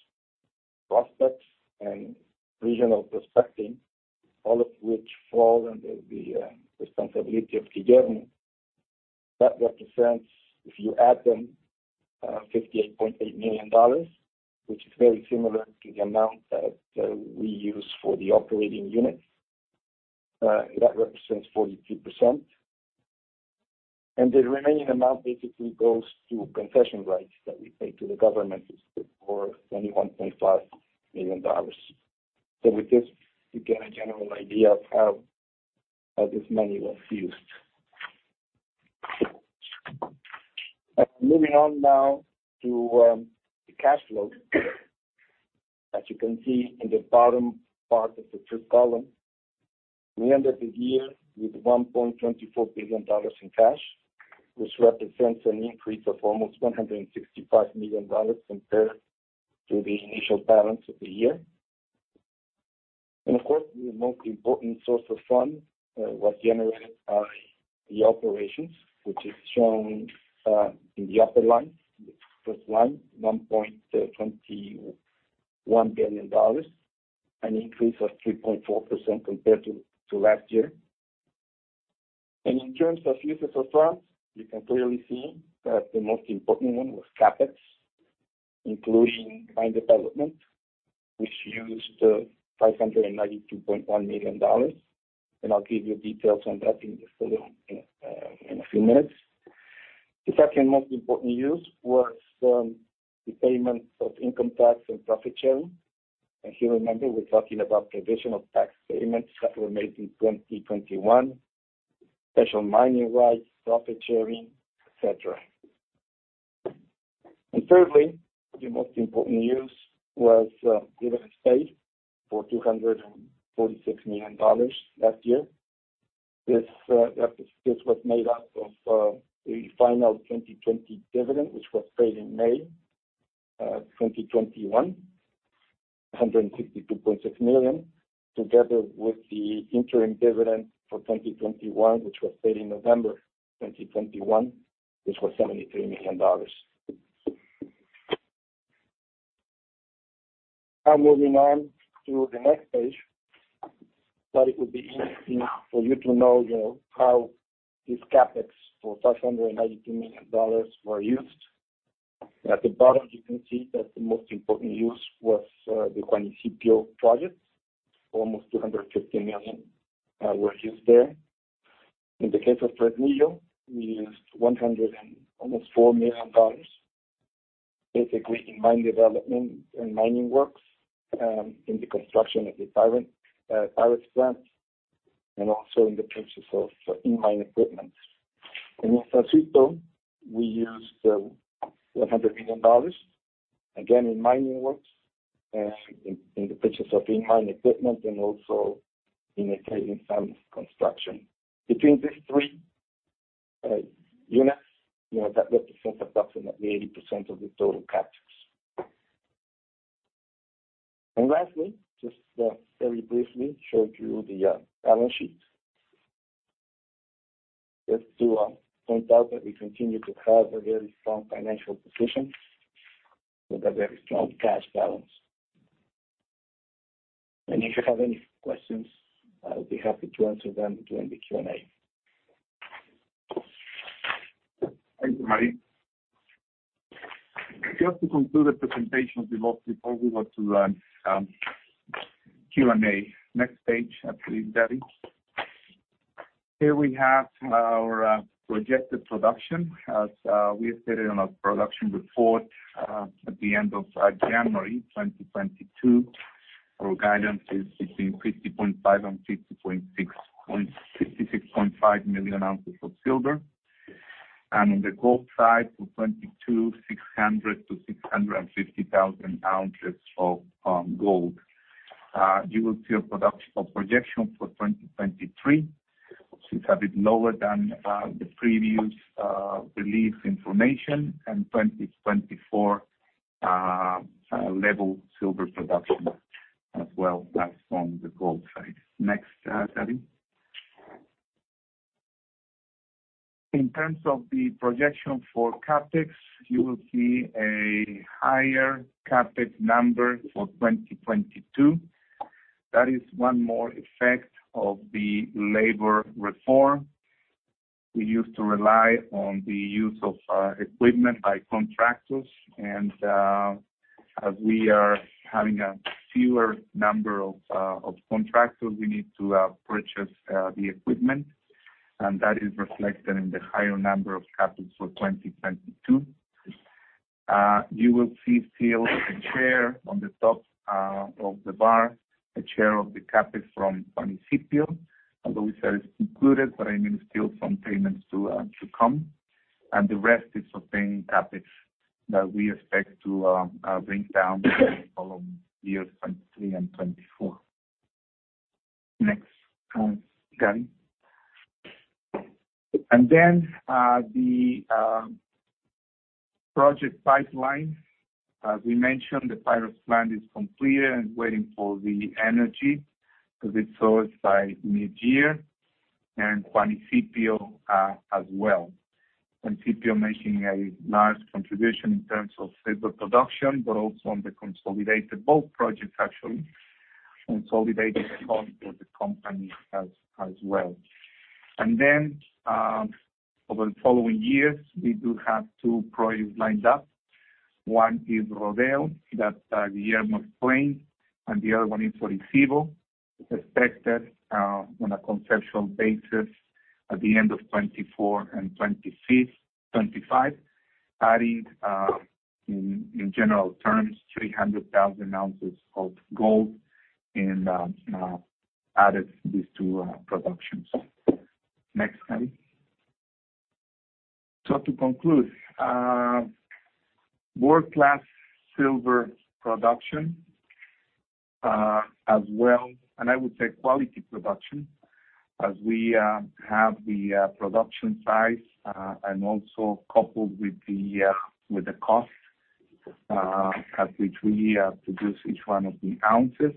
prospects, and regional prospecting, all of which fall under the responsibility of Guillermo. That represents, if you add them, $58.8 million, which is very similar to the amount that we use for the operating units. That represents 42%. The remaining amount basically goes to concession rights that we pay to the government for $21.5 million. With this you get a general idea of how this money was used. Moving on now to the cash flow. As you can see in the bottom part of the third column, we ended the year with $1.24 billion in cash, which represents an increase of almost $165 million compared to the initial balance of the year. Of course, the most important source of funds was generated by the operations, which is shown in the upper line, the first line, $1.21 billion, an increase of 3.4% compared to last year. In terms of uses of funds, you can clearly see that the most important one was CapEx, including mine development, which used $592.1 million. I'll give you details on that in just a few minutes. The second most important use was the payment of income tax and profit sharing. If you remember, we're talking about provision of tax payments that were made in 2021, special mining rights, profit sharing, etc. Thirdly, the most important use was dividends paid for $246 million last year. This was made up of the final 2020 dividend which was paid in May 2021, $162.6 million, together with the interim dividend for 2021, which was paid in November 2021, which was $73 million. Now moving on to the next page. Thought it would be interesting for you to know, you know, how this CapEx for $592 million were used. At the bottom, you can see that the most important use was the Juanicipio project. Almost $250 million were used there. In the case of Fresnillo, we used $100 million and almost $4 million, basically in mine development and mining works, in the construction of the Pyrites Plant, and also in the purchase of some in-mine equipment. In Saucito, we used $100 million, again, in mining works and in the purchase of in-mine equipment and also in acquiring some construction. Between these three units, you know, that represents approximately 80% of the total CapEx. Lastly, just very briefly show you the balance sheet. Just to point out that we continue to have a very strong financial position with a very strong cash balance. If you have any questions, I'll be happy to answer them during the Q&A. Thank you, Mario. Just to conclude the presentation of the board before we go to Q&A. Next page, please, Gaby. Here we have our projected production. As we stated on our production report at the end of January 2022, our guidance is between 50.5-56.5 million ounces of silver. On the gold side, for 2022, 600-650 thousand ounces of gold. You will see a production projection for 2023. It's a bit lower than the previous released information in 2024 level silver production as well as from the gold side. Next, Gaby. In terms of the projection for CapEx, you will see a higher CapEx number for 2022. That is one more effect of the labor reform. We used to rely on the use of equipment by contractors. As we are having a fewer number of contractors, we need to purchase the equipment, and that is reflected in the higher number of CapEx for 2022. You will see still the share on the top of the bar, the share of the CapEx from Juanicipio, although we said it's included, but I mean, still some payments to come. The rest is for paying CapEx that we expect to bring down the following years, 2023 and 2024. Next, Gaby. Then, the project pipeline. As we mentioned, the Pyrites Plant is completed and waiting for the energy to be sourced by mid-year and Juanicipio, as well. Juanicipio making a large contribution in terms of silver production, but also on the consolidated both projects actually, consolidated cost for the company as well. Over the following years, we do have two projects lined up. One is Rodeo, that Guillermo explained, and the other one is Orisyvo. It's expected on a conceptual basis at the end of 2024 and 2025, adding in general terms 300,000 ounces of gold and added these two productions. Next, Gaby. To conclude, world-class silver production as well. I would say quality production as we have the production size and also coupled with the cost at which we produce each one of the ounces.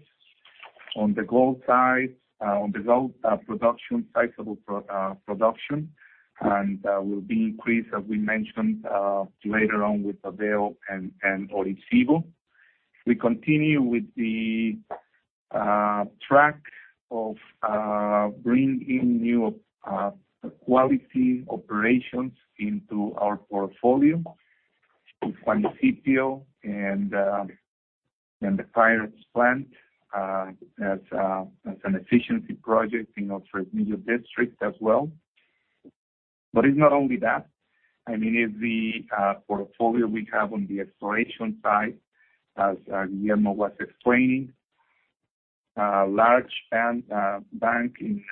On the gold, sizable production and will be increased, as we mentioned, later on with Rodeo and Orisyvo. We continue with the track of bringing new quality operations into our portfolio with Juanicipio and the Pyrites plant, as an efficiency project in our Fresnillo District as well. It's not only that. I mean, it's the portfolio we have on the exploration side. As Guillermo was explaining, large land bank in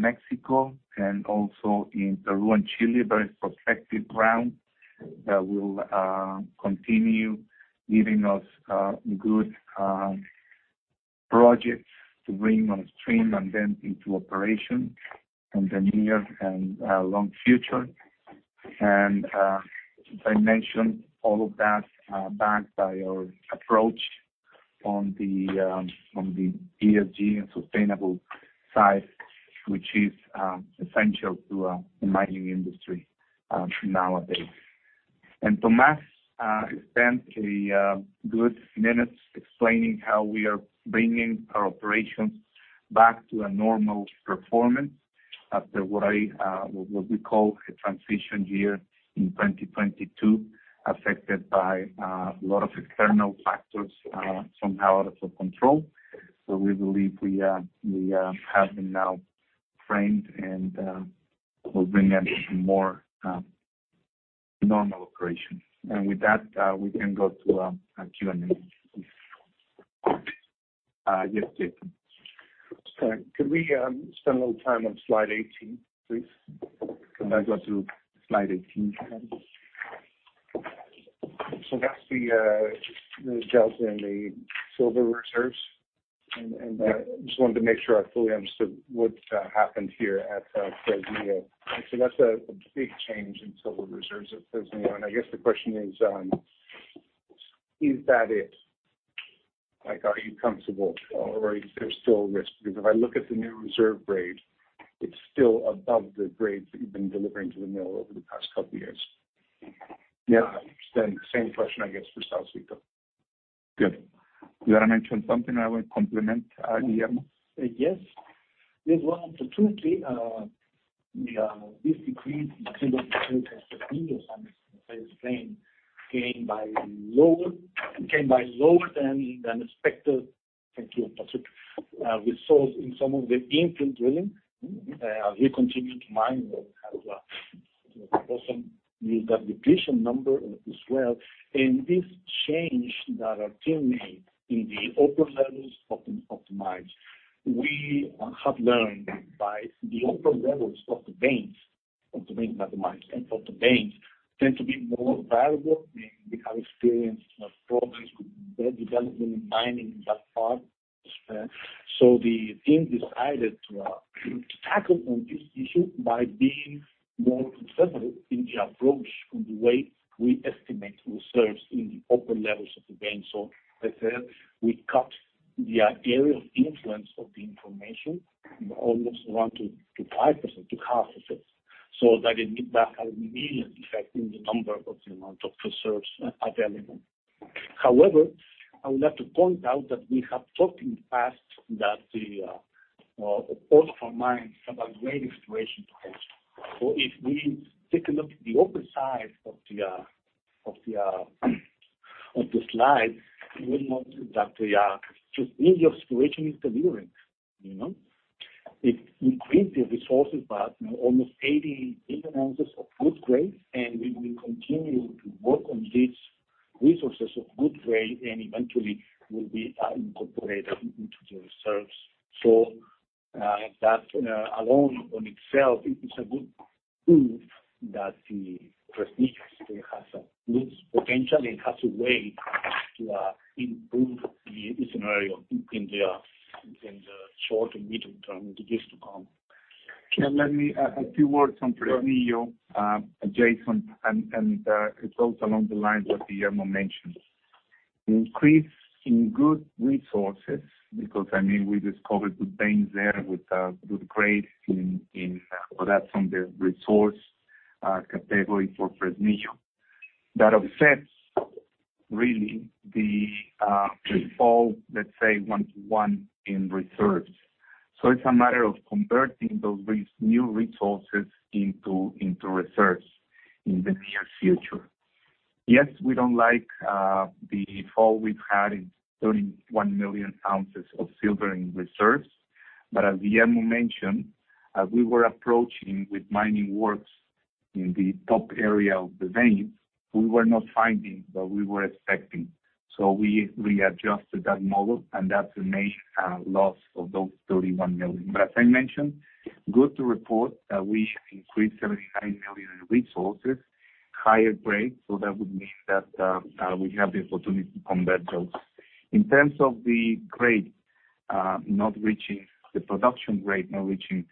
Mexico and also in Peru and Chile, very prospective ground that will continue giving us good projects to bring on stream and then into operation in the near and long future. As I mentioned, all of that backed by our approach on the ESG and sustainable side, which is essential to the mining industry nowadays. Tomás spent a few minutes explaining how we are bringing our operations back to a normal performance. After what we call a transition year in 2022, affected by a lot of external factors somehow out of our control. We believe we have now ramped and we're bringing more normal operations. With that, we can go to Q&A. Yes, Jason? Sorry, could we spend a little time on slide 18, please? Can I go to slide 18? That's the drop in the silver reserves. Just wanted to make sure I fully understood what happened here at Fresnillo. That's a big change in silver reserves at Fresnillo. I guess the question is that it? Like, are you comfortable, or is there still risk? Because if I look at the new reserve grade, it's still above the grades that you've been delivering to the mill over the past couple years. Yeah. Same question, I guess, for Saucito. Good. You wanna mention something I will complement, Guillermo? Yes. There's one opportunity. This decrease in silver <audio distortion> was lower than expected. We saw in some of the infill drilling. We continued to mine as well. We also used that depletion number as well. This change that our team made in the open levels optimize. We have learned that the open levels of the veins tend to be more variable, and we have experienced some problems with development in mining in that part as well. The team decided to tackle this issue by being more conservative in the approach on the way we estimate reserves in the open levels of the vein. Let's say we cut the area of influence of the information almost around to 5% to 0.5%, so that it needs to have immediate effect in the number of the amount of reserves available. However, I would like to point out that we have talked in the past that all of our mines have a great exploration potential. If we take a look at the upper side of the slide, you will note that just the exploration is delivering, you know. It increased the resources by almost 80 million ounces of good grade, and we will continue to work on these resources of good grade, and eventually will be incorporated into the reserves. That alone on itself is a good proof that Fresnillo still has a good potential and has a way to improve the scenario in the short-and medium-term into years to come. Let me add a few words on Fresnillo, Jason, and it goes along the lines what Guillermo mentioned. Increase in good resources because, I mean, we discovered good veins there with good grades in, well, that's from the resource category for Fresnillo. That offsets really the default, let's say one to one in reserves. It's a matter of converting those new resources into reserves in the near future. Yes, we don't like the fall we've had in 31 million ounces of silver in reserves. As Guillermo mentioned, as we were approaching with mining works in the top area of the veins, we were not finding what we were expecting. We readjusted that model, and that's the main loss of those 31 million. As I mentioned, good to report that we increased 79 million in resources, higher grade, so that would mean that we have the opportunity to convert those. In terms of the grade not reaching the production grade, not reaching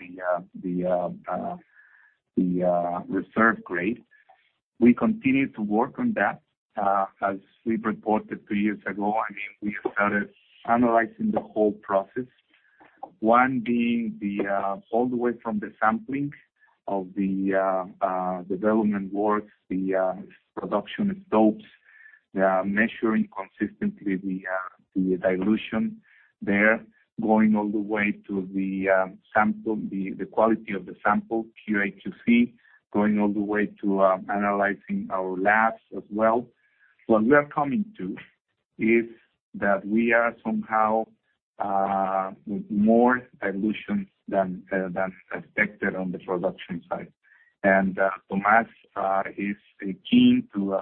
the reserve grade, we continue to work on that. As we reported two years ago, I mean, we started analyzing the whole process. One being all the way from the sampling of the development works, the production stopes, the measuring consistently the dilution there, going all the way to the sample, the quality of the sample, QA/QC, going all the way to analyzing our labs as well. What we are coming to is that we are somehow more dilution than expected on the production side. Tomás is keen to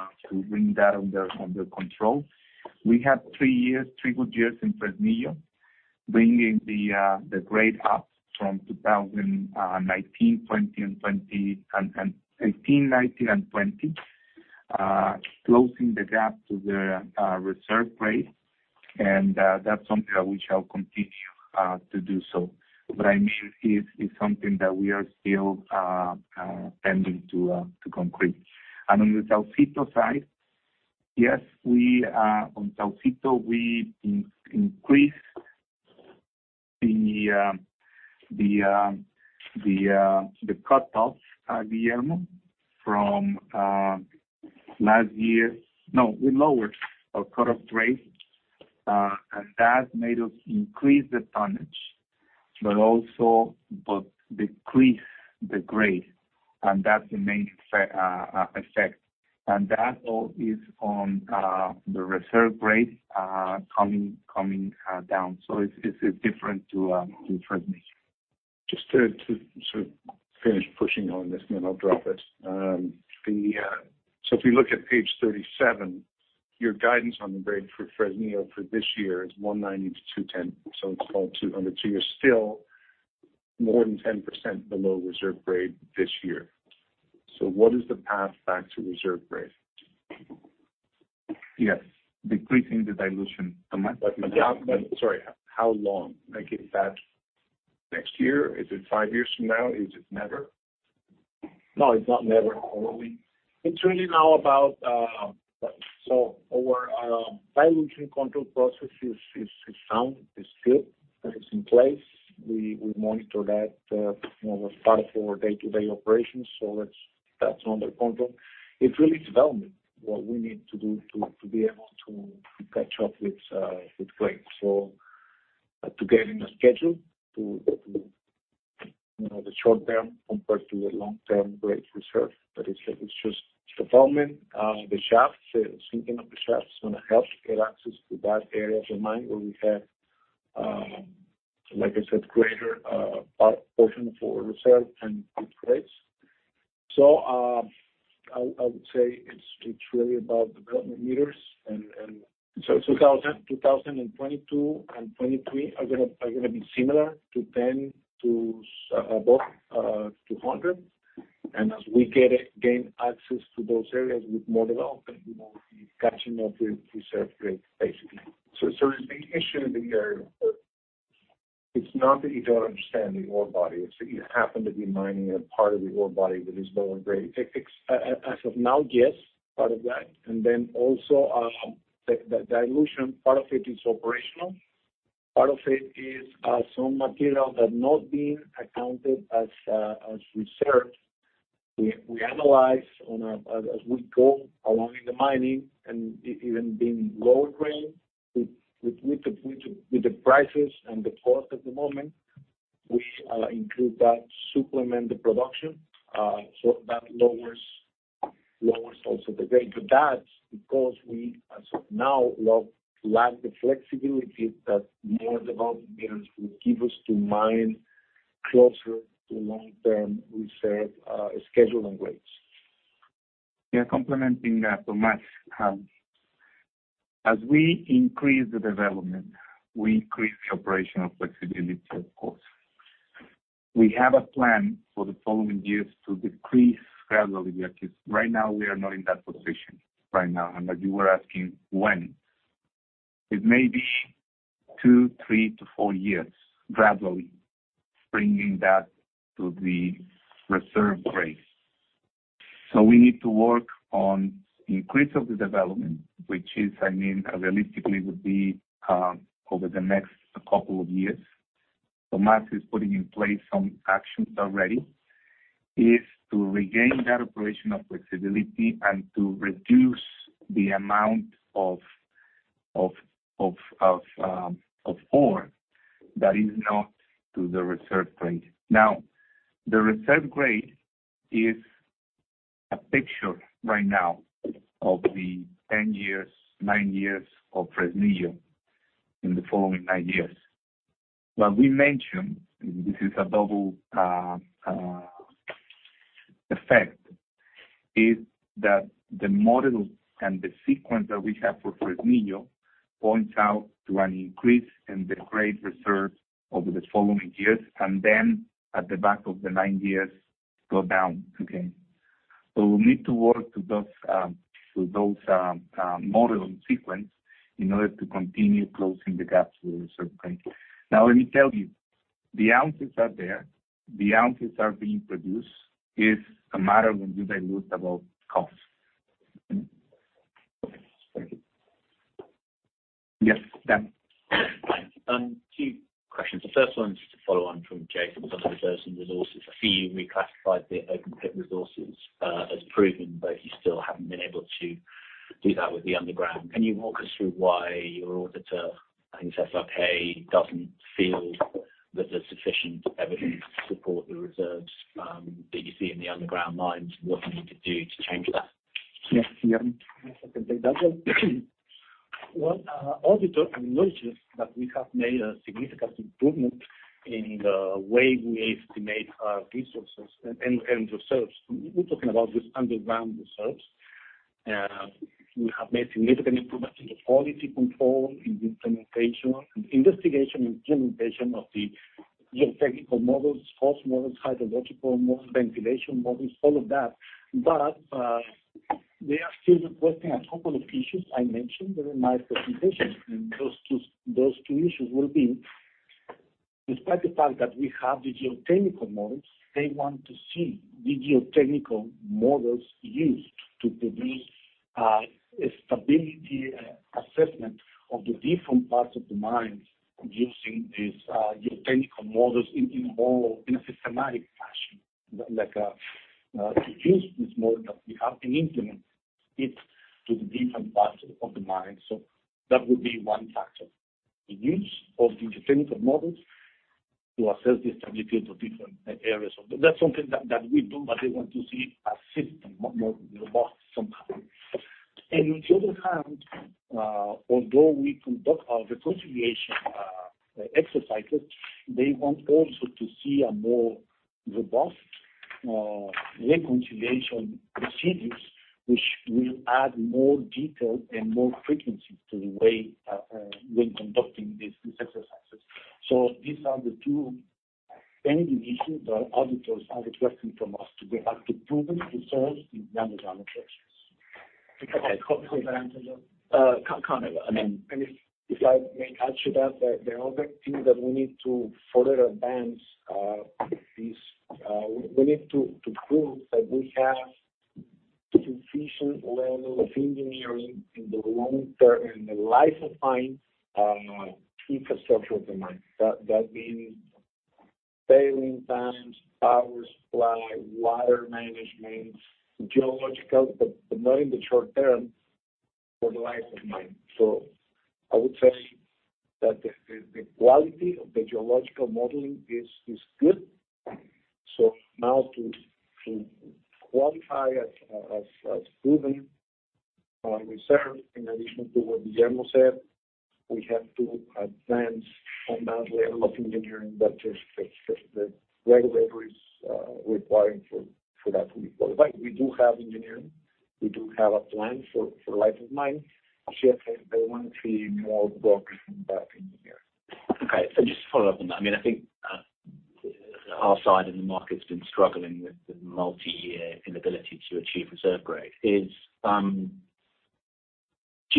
bring that under control. We had three good years in Fresnillo, bringing the grade up and 2018, 2019 and 2020, closing the gap to the reserve grade, and that's something that we shall continue to do so. What I mean is something that we are still pending to concrete. On the Saucito side, yes, we lowered our cutoff grade and that made us increase the tonnage, but also decrease the grade, and that's the main effect. That all is on the reserve grade coming down. It's different to Fresnillo. Just to sort of finish pushing on this, then I'll drop it. If you look at page 37, your guidance on the grade for Fresnillo for this year is 190-210. It's fall to under two. Still more than 10% below reserve grade this year. What is the path back to reserve grade? Yes. Decreasing the dilution. Sorry, how long? Like, is that next year? Is it five years from now? Is it never? No, it's not never. Probably. It's really now about our dilution control process is sound. It's good. It's in place. We monitor that, you know, as part of our day-to-day operations, so that's under control. It's really development, what we need to do to be able to catch up with with grade. To get in a schedule to you know the short-term compared to the long-term grade reserve. It's just development. The shaft sinking of the shaft's gonna help get access to that area of the mine where we have, like I said, greater potential for reserve and good grades. I'll say it's really about development meters and and 2022 and 2023 are gonna be similar to 10-100. As we gain access to those areas with more development, we will be catching up with reserve grade, basically. Is the issue that you're it's not that you don't understand the ore body, it's that you happen to be mining a part of the ore body that is lower grade. It's as of now, yes, part of that. The dilution, part of it is operational. Part of it is some material that has not been accounted as reserves. We analyze as we go along in the mining, and even being lower grade, with the prices and the cost at the moment, we include that to supplement the production. So that lowers also the grade. That's because we, as of now, lack the flexibility that more development meters would give us to mine closer to long-term reserve scheduling grades. Yeah, complementing that to Max. As we increase the development, we increase the operational flexibility, of course. We have a plan for the following years to decrease gradually because right now we are not in that position right now. You were asking when. It may be two, three to four years, gradually bringing that to the reserve grade. We need to work on increase of the development, which is, I mean, realistically would be over the next couple of years. Max is putting in place some actions already, is to regain that operational flexibility and to reduce the amount of ore that is not to the reserve grade. Now, the reserve grade is a picture right now of the 10 years, nine years of Fresnillo in the following nine years. What we mentioned, and this is a double-effect, is that the model and the sequence that we have for Fresnillo points to an increase in the reserve grade over the following years and then at the back of the nine years go down again. We need to work to those model sequence in order to continue closing the gaps with the reserve grade. Now, let me tell you, the ounces are there, the ounces are being produced. It's a matter when you dilute above costs. Okay. Thank you. Yes, Dan. Thanks. Two questions. The first one's to follow on from [Jason] on reserves and resources. I see you reclassified the open pit resources as proven, but you still haven't been able to do that with the underground. Can you walk us through why your auditor in SRK doesn't feel that there's sufficient evidence to support the reserves that you see in the underground mines? What do you need to do to change that? Yes. Guillermo. Yes, I can take that one. Well, auditor acknowledges that we have made a significant improvement in the way we estimate our resources and reserves. We're talking about these underground reserves. We have made significant improvements in the quality control, in the implementation, investigation and implementation of the geotechnical models, fault models, hydrological models, ventilation models, all of that. They are still requesting a couple of issues I mentioned during my presentation. Those two issues will be, despite the fact that we have the geotechnical models, they want to see the geotechnical models used to produce a stability assessment of the different parts of the mines using these geotechnical models in a more systematic fashion. Like to use this model that we have and implement it to the different parts of the mine, that would be one factor. The use of the different models to assess the stability of different areas. That's something that we do, but they want to see a system more robust sometimes. On the other hand, although we conduct our reconciliation exercises, they want also to see a more robust reconciliation procedures, which will add more detail and more frequencies to the way when conducting these exercises. These are the two main issues our auditors are requesting from us to get back to proven reserves in the underground operations. Okay. If I may add to that, the other thing that we need to further advance is to prove that we have sufficient level of engineering in the long-term, in the life of mine infrastructure of the mine. That means tailings, power supply, water management, geological. Not in the short-term for the life of mine. I would say that the quality of the geological modeling is good. Now to qualify as proven reserve in addition to what Guillermo said, we have to advance on that level of engineering that the regulator is requiring for that to be qualified. We do have engineering. We do have a plan for life of mine. Just they want to see more work done in there. Okay. Just to follow-up on that. I mean, I think, our side and the market's been struggling with the multi-year inability to achieve reserve grade. Do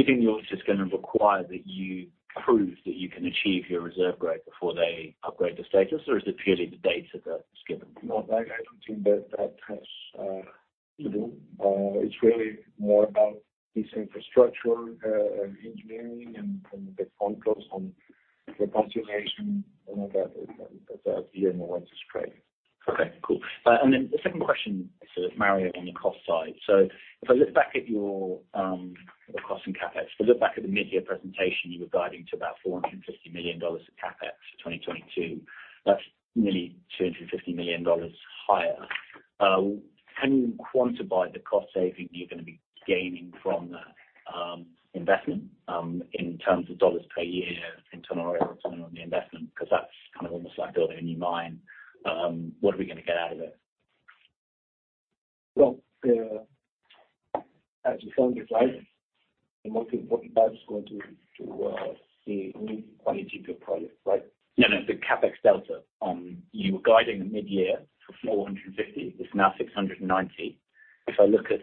you think the audit is gonna require that you prove that you can achieve your reserve grade before they upgrade the status or is it purely the data that's given? No. I don't think that has to do. It's really more about this infrastructure, engineering and the controls on reconciliation and that Guillermo went us through. Okay, cool. The second question is for Mario on the cost side. If I look back at your costs and CapEx. If I look back at the mid-year presentation, you were guiding to about $450 million of CapEx for 2022. That's nearly $250 million higher. Can you quantify the cost saving you're gonna be gaining from that investment in terms of dollars per year internal rate of return on the investment? Because that's kind of almost like building a new mine. What are we gonna get out of it? Well, as you saw in the slide, the most important part is going to the new quality of the product, right? No, no. The CapEx delta. You were guiding the mid-year for $450. It's now $690. If I look at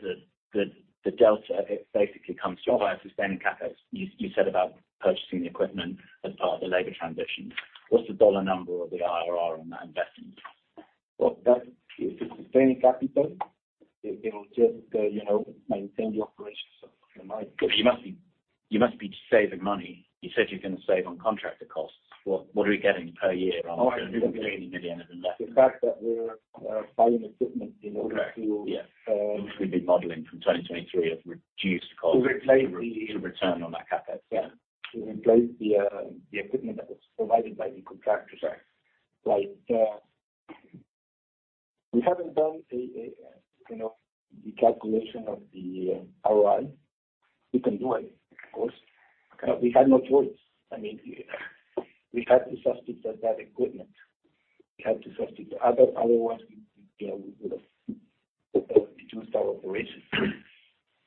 the delta, it basically comes from higher sustaining CapEx. You said about purchasing the equipment as part of the labor transition. What's the dollar number of the IRR on that investment? Well, that is sustaining capital. It will just, you know, maintain the operations of the mine. You must be saving money. You said you're gonna save on contractor costs. What are we getting per year on the $250 million investment? The fact that we're buying equipment in order to. Correct. Yeah. Which we've been modeling from 2023 of reduced costs. To replace the. To return on that CapEx. Yeah. To replace the equipment that was provided by the contractors. Right. Like, we haven't done, you know, the calculation of the ROI. We can do it, of course. Okay. We had no choice. I mean, we had to substitute that equipment. We had to substitute otherwise we would've reduced our operations.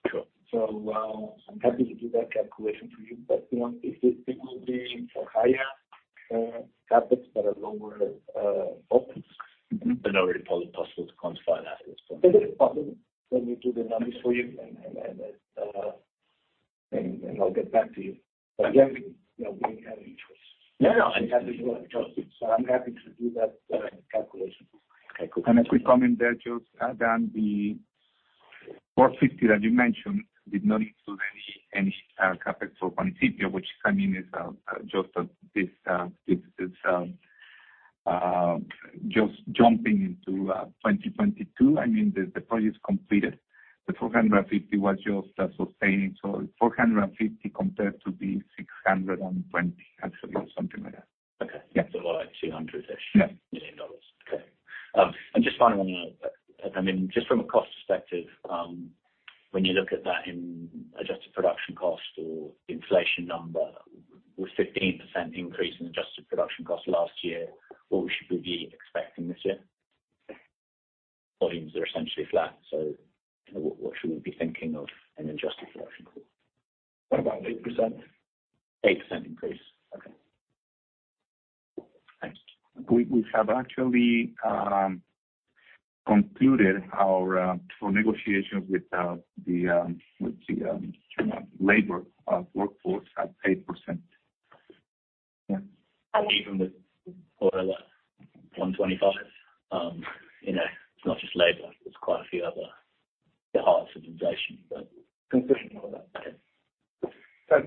Sure. I'm happy to do that calculation for you. You know, it will be for higher CapEx but a lower OpEx. Not really possible to quantify that at this point. It is possible. Let me do the numbers for you and I'll get back to you. Again, you know, we have interest. No, no. We have interest. I'm happy to do that, calculation. Okay, cool. A quick comment there, Dan. Then the 450 that you mentioned did not include any CapEx for Saucito which is coming just jumping into 2022. I mean, the project's completed. The $450 was just sustaining. $450 compared to the $620 actually or something like that. Okay. Yeah. Like 200-ish. Yeah. Million dollars. Okay. Just finally, I mean, just from a cost perspective, when you look at that in adjusted production cost or inflation number with 15% increase in adjusted production cost last year, what should we be expecting this year? Volumes are essentially flat, so what should we be thinking of an adjusted production cost? About 8%. 8% increase. Okay. Thanks. We have actually concluded our negotiations with the labor workforce at 8%. Yeah. Even with all the $125, you know, it's not just labor, it's quite a few other.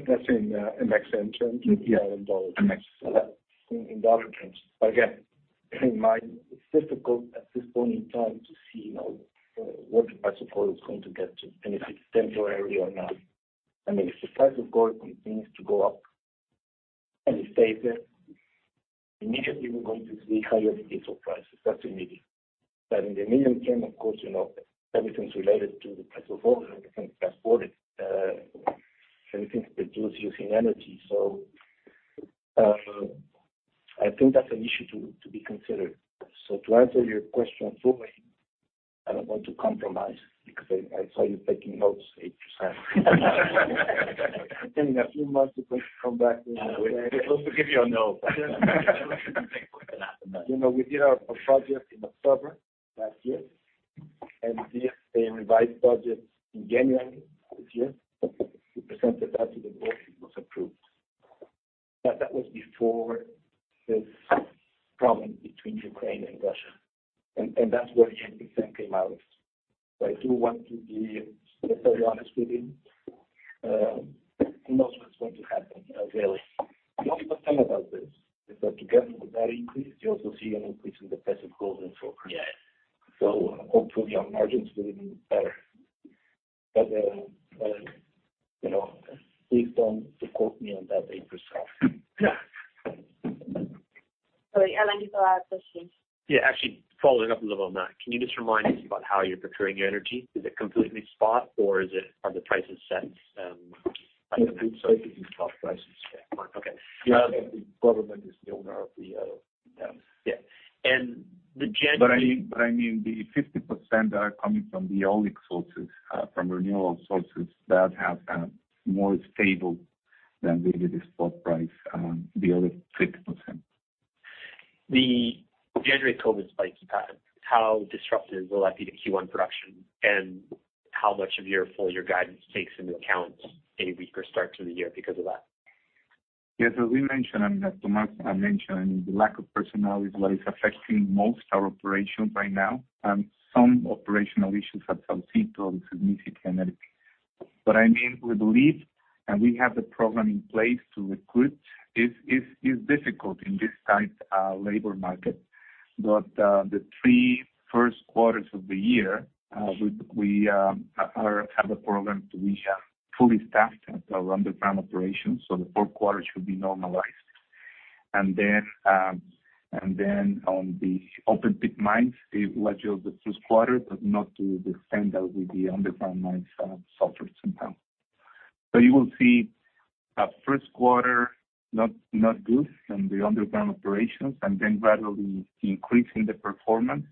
That's in Mexican terms. In dollar terms. Again, it's difficult at this point in time to see, you know, what the price of gold is going to get to and if it's temporary or not. I mean, if the price of gold continues to go up and it stays there, immediately we're going to see higher diesel prices. That's immediate. In the medium term, of course, you know, everything's related to the price of gold and everything's transported, everything's produced using energy. I think that's an issue to be considered. To answer your question fully, I don't want to compromise because I saw you taking notes, 8%. Then in a few months, you're going to come back and say. Just to give you a no. You know, we did our project in October last year, and we have a revised budget in January this year. We presented that to the board, it was approved. That was before this problem between Ukraine and Russia, and that's where the 8% came out. I do want to be very honest with you. Who knows what's going to happen, really. The only good thing about this is that together with that increase, you also see an increase in the price of gold in full. Yeah. Hopefully our margins will be better. You know, please don't quote me on that 8%. Yeah. Sorry. Alan, to add questions. Yeah. Actually following-up a little on that. Can you just remind me about how you're procuring your energy? Is it completely spot or are the prices set by the government? No, it's totally spot prices. Yeah. Okay. The government is the owner of the. Yeah. The January. I mean, the 50% are coming from the old sources, from renewable sources that have more stable than really the spot price, the other 6%. The January COVID spike you had, how disruptive will that be to Q1 production, and how much of your full-year guidance takes into account a weaker start to the year because of that? Yes. As we mentioned, I mean, as Tomás mentioned, the lack of personnel is what is affecting most our operations right now. Some operational issues at Saucito. It's significant. I mean, we believe and we have the program in place to recruit. It's difficult in this tight labor market. The three first quarters of the year, we have a program to be fully staffed at our underground operations, so the fourth quarter should be normalized. On the open-pit mines, the latter of the first quarter, but not to the extent that with the underground mines suffered sometime. You will see a first quarter not good in the underground operations and then gradually increasing the performance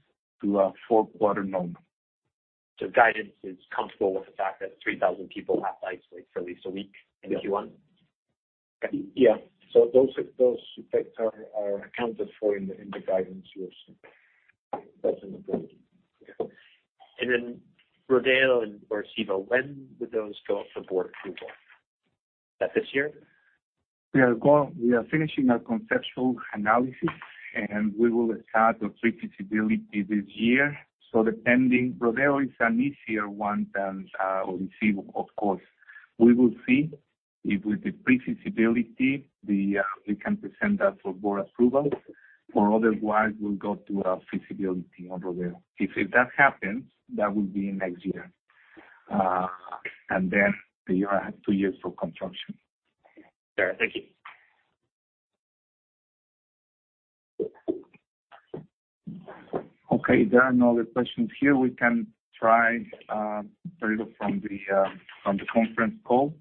to a fourth quarter normal. Guidance is comfortable with the fact that 3,000 people have isolated for at least a week in Q1? Yeah. Those effects are accounted for in the guidance you have seen. That's an agreement. Yeah. Rodeo or Orisyvo, when would those go up for board approval? Is that this year? We are finishing our conceptual analysis, and we will start the pre-feasibility this year. Rodeo is an easier one than Orisyvo of course. We will see if with the pre-feasibility we can present that for board approval, or otherwise we'll go to a feasibility on Rodeo. If that happens, that would be next year. You have two years for construction. Okay. Thank you. Okay. There are no other questions here. We can try, [Alfredo] from the conference call.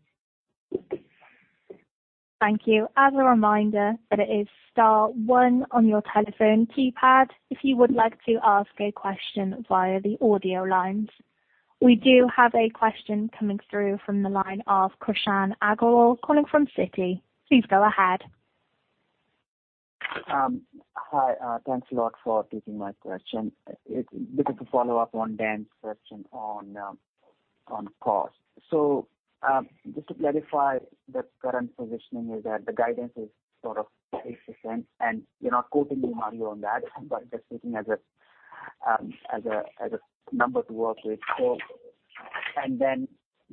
Thank you. As a reminder that it is star one on your telephone keypad if you would like to ask a question via the audio lines. We do have a question coming through from the line of Krishan Agarwal calling from Citi. Please go ahead. Hi. Thanks a lot for taking my question. This is a follow-up on Dan's question on cost. Just to clarify, the current positioning is that the guidance is sort of 8%, and you're not quoting me, Mario, on that, but just taking as a number to work with.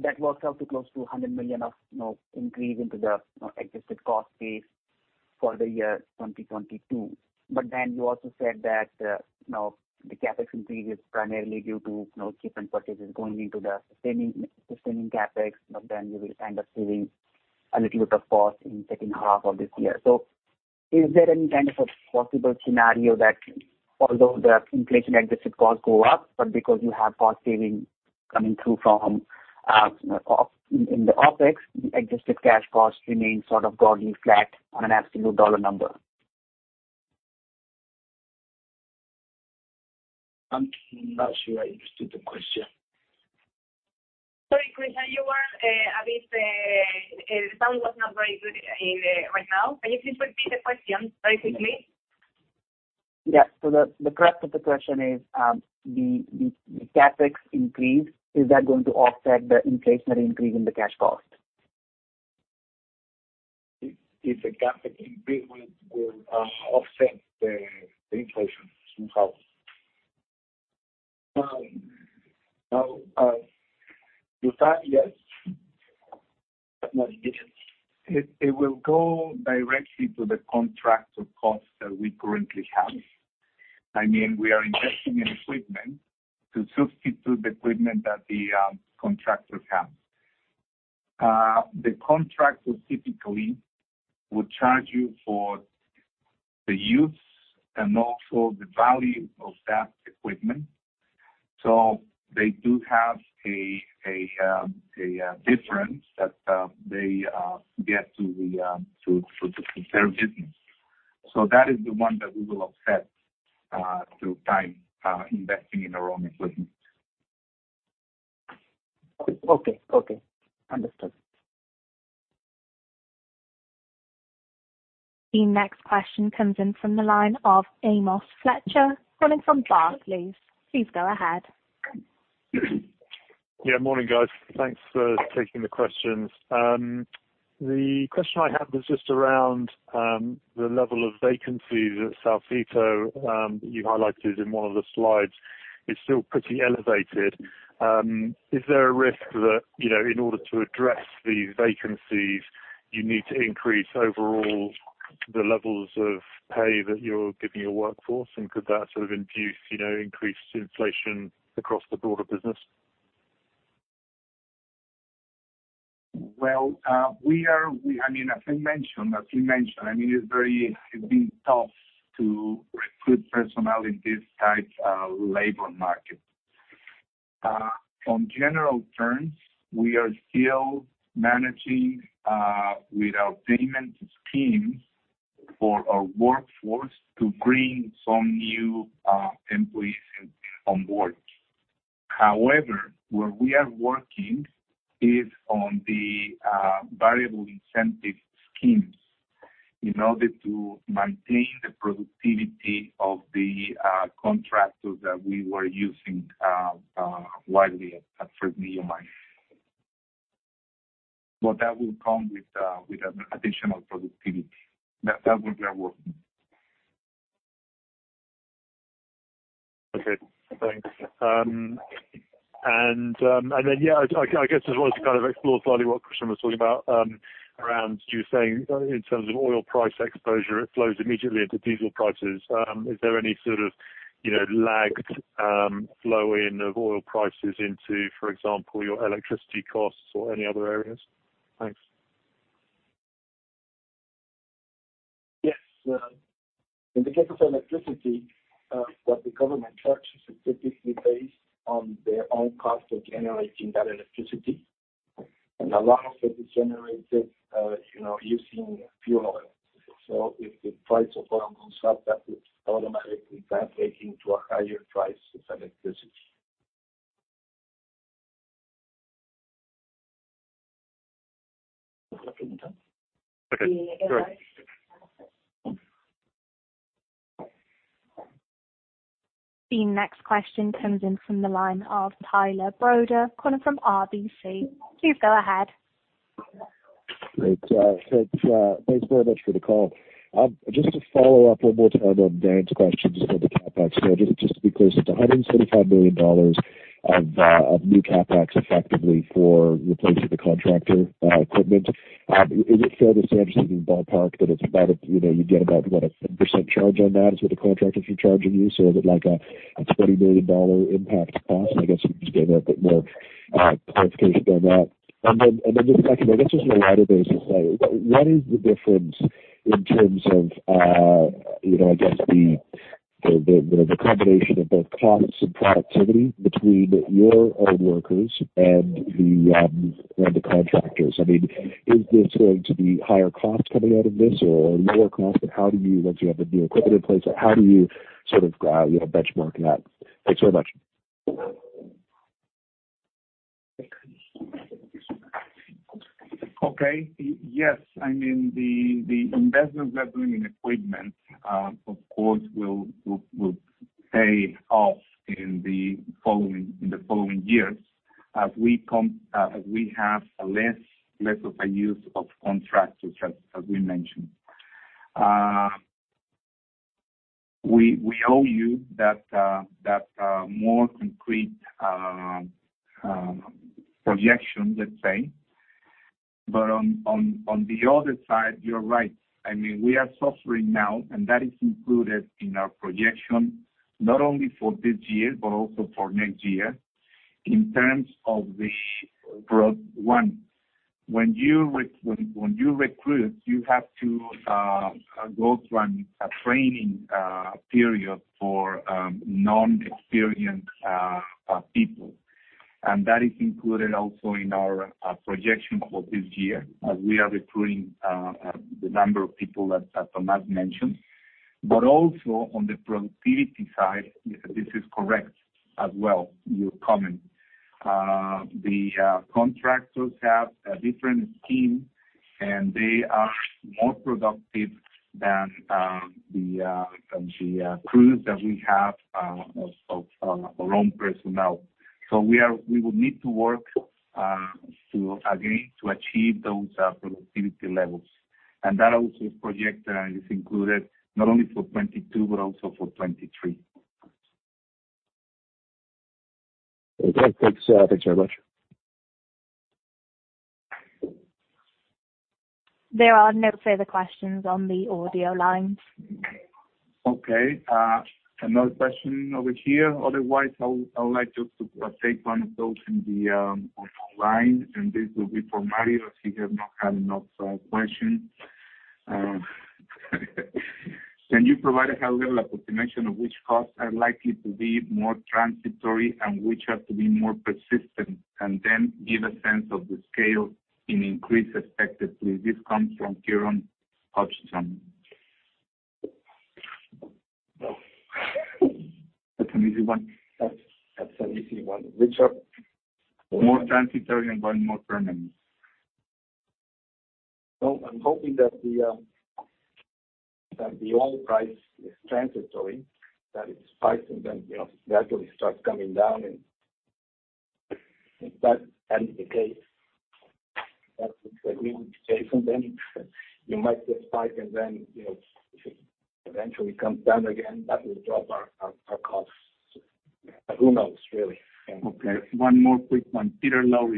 That works out to close to $100 million of increase into the adjusted cost base for the year 2022. You also said that the CapEx increase is primarily due to different purchases going into the sustaining CapEx. You will end up saving a little bit of cost in second half of this year. Is there any kind of a possible scenario that although the inflation adjusted costs go up, but because you have cost saving coming through from in the OpEx, the adjusted cash costs remain sort of broadly flat on an absolute dollar number? I'm not sure I understood the question. Sorry, Krishan. The sound was not very good right now. Can you please repeat the question basically? Yeah. The crux of the question is the CapEx increase, is that going to offset the inflationary increase in the cash cost? If the CapEx increase will offset the inflation somehow. Now, with that, yes. It will go directly to the contractor costs that we currently have. I mean, we are investing in equipment to substitute the equipment that the contractor has. The contractor typically would charge you for the use and also the value of that equipment. So they do have a difference that they get to their business. So that is the one that we will offset through time investing in our own equipment. Okay. Understood. The next question comes in from the line of Amos Fletcher, calling from Barclays, please. Please go ahead. Yeah, morning, guys. Thanks for taking the questions. The question I have is just around the level of vacancies at Saucito, you highlighted in one of the slides. It's still pretty elevated. Is there a risk that, you know, in order to address these vacancies you need to increase overall the levels of pay that you're giving your workforce? Could that sort of induce, you know, increased inflation across the broader business? We, I mean, as I mentioned, as you mentioned, I mean, it's been tough to recruit personnel in this tight labor market. On general terms, we are still managing with our payment schemes for our workforce to bring some new employees on board. However, where we are working is on the variable incentive schemes in order to maintain the productivity of the contractors that we were using widely at Fresnillo Mine. That will come with an additional productivity that we are working. Okay, thanks. I guess I just wanted to kind of explore slightly what Krishan was talking about, around you saying in terms of oil price exposure, it flows immediately into diesel prices. Is there any sort of, you know, lagged flow in of oil prices into, for example, your electricity costs or any other areas? Thanks. Yes. In the case of electricity, what the government charges is typically based on their own cost of generating that electricity. A lot of it is generated, you know, using fuel oil. If the price of oil goes up, that will automatically translate into a higher price of electricity. Okay. Great. The next question comes in from the line of Tyler Broda calling from RBC. Please go ahead. Great. Thanks very much for the call. Just to follow-up one more time on Dan's question just on the CapEx. Just to be clear, it's $135 million of new CapEx effectively for replacing the contractor equipment. Is it fair to say, I'm just thinking ballpark, that it's about a, you know, you get about, what, a 10% charge on that is what the contractors are charging you? Is it like a $20 million impact cost? I guess if you could just give a bit more clarification on that. Just secondly, I guess just on a wider basis, like what is the difference in terms of, you know, I guess the combination of both costs and productivity between your own workers and the contractors? I mean, is this going to be higher costs coming out of this or lower costs? How do you, once you have the new equipment in place, sort of, you know, benchmark that? Thanks very much. Yes. I mean, the investment that we're doing in equipment, of course will pay off in the following years as we have less of a use of contractors as we mentioned. We owe you that more concrete projection, let's say. But on the other side, you're right. I mean, we are suffering now, and that is included in our projection not only for this year, but also for next year. In terms of the [production]. When you recruit, you have to go through a training period for inexperienced people. That is included also in our projection for this year as we are recruiting the number of people that Tomás mentioned. Also on the productivity side, this is correct as well, your comment. The contractors have a different scheme, and they are more productive than the crews that we have of our own personnel. We will need to work to agree to achieve those productivity levels. That also project is included not only for 2022 but also for 2023. Okay. Thanks, thanks very much. There are no further questions on the audio line. Okay. Another question over here. Otherwise, I would like just to take one of those on the line, and this will be for Mario, seeing he has not had enough questions. Can you provide a high level approximation of which costs are likely to be more transitory and which have to be more persistent, and then give a sense of the scale of increase expected, please? This comes from Kieron Hodgson. Well. That's an easy one. That's an easy one. Which are? More transitory and one more permanent. Well, I'm hoping that the oil price is transitory. That it spikes and then, you know, gradually starts coming down and, if that's the case, that's exactly what we would say. From then it might just spike and then, you know, eventually comes down again. That will drop our costs. But who knows, really? Okay. One more quick one. Peter Lowe.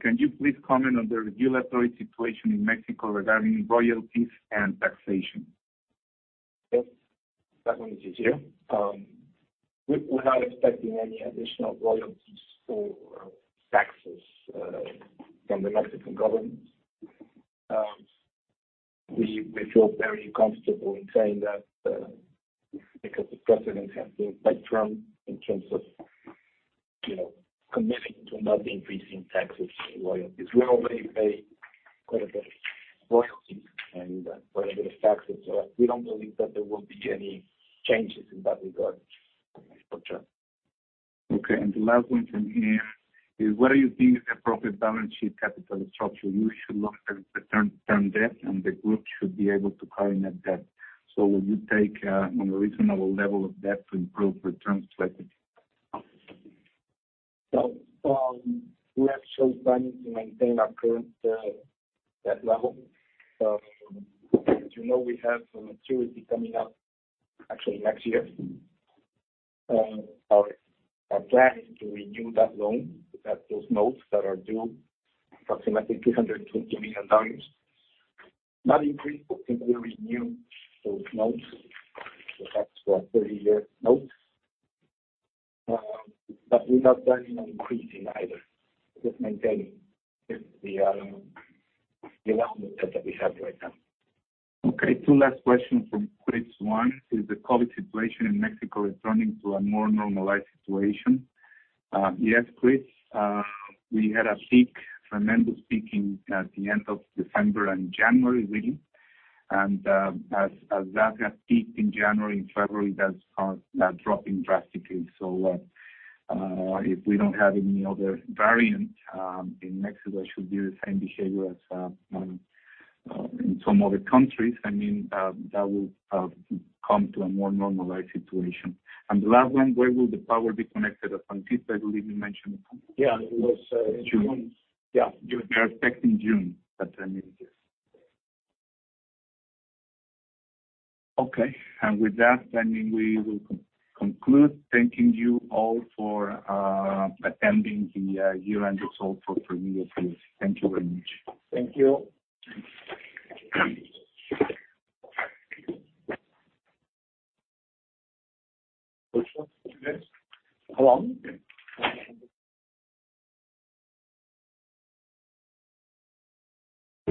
Can you please comment on the regulatory situation in Mexico regarding royalties and taxation? Yes. That one is easier. We're not expecting any additional royalties or taxes from the Mexican government. We feel very comfortable in saying that because the president has been quite firm in terms of, you know, committing to not increasing taxes and royalties. We already pay quite a bit of royalties and quite a bit of taxes, so we don't believe that there will be any changes in that regard. Gotcha. Okay. The last one from here is, what do you think is appropriate balance sheet capital structure? You should look at the term debt, and the group should be able to coordinate debt. Will you take on a reasonable level of debt to improve returns to equity? We are planning to maintain our current debt level. As you know, we have some maturity coming up actually next year. Our plan is to renew that loan, that those notes that are due, approximately $220 million. Not increase, but simply renew those notes. That's our 30-year notes, but without planning on increasing either. Just maintaining the level of debt that we have right now. Okay. Two last questions from Chris. One, is the COVID situation in Mexico returning to a more normalized situation? Yes, Chris. We had a peak, tremendous peak at the end of December and January, really. As that peak in January and February does start now dropping drastically. If we don't have any other variant in Mexico, it should be the same behavior as in some other countries. I mean, that will come to a more normalized situation. The last one, where will the power be connected at Fresnillo? I believe you mentioned. Yeah, it was. June. Yeah. June. They're expecting June. That's what I mean, yes. Okay. With that, I mean, we will conclude. Thanking you all for attending the year-end result for Fresnillo plc. Thank you very much. Thank you. Thanks.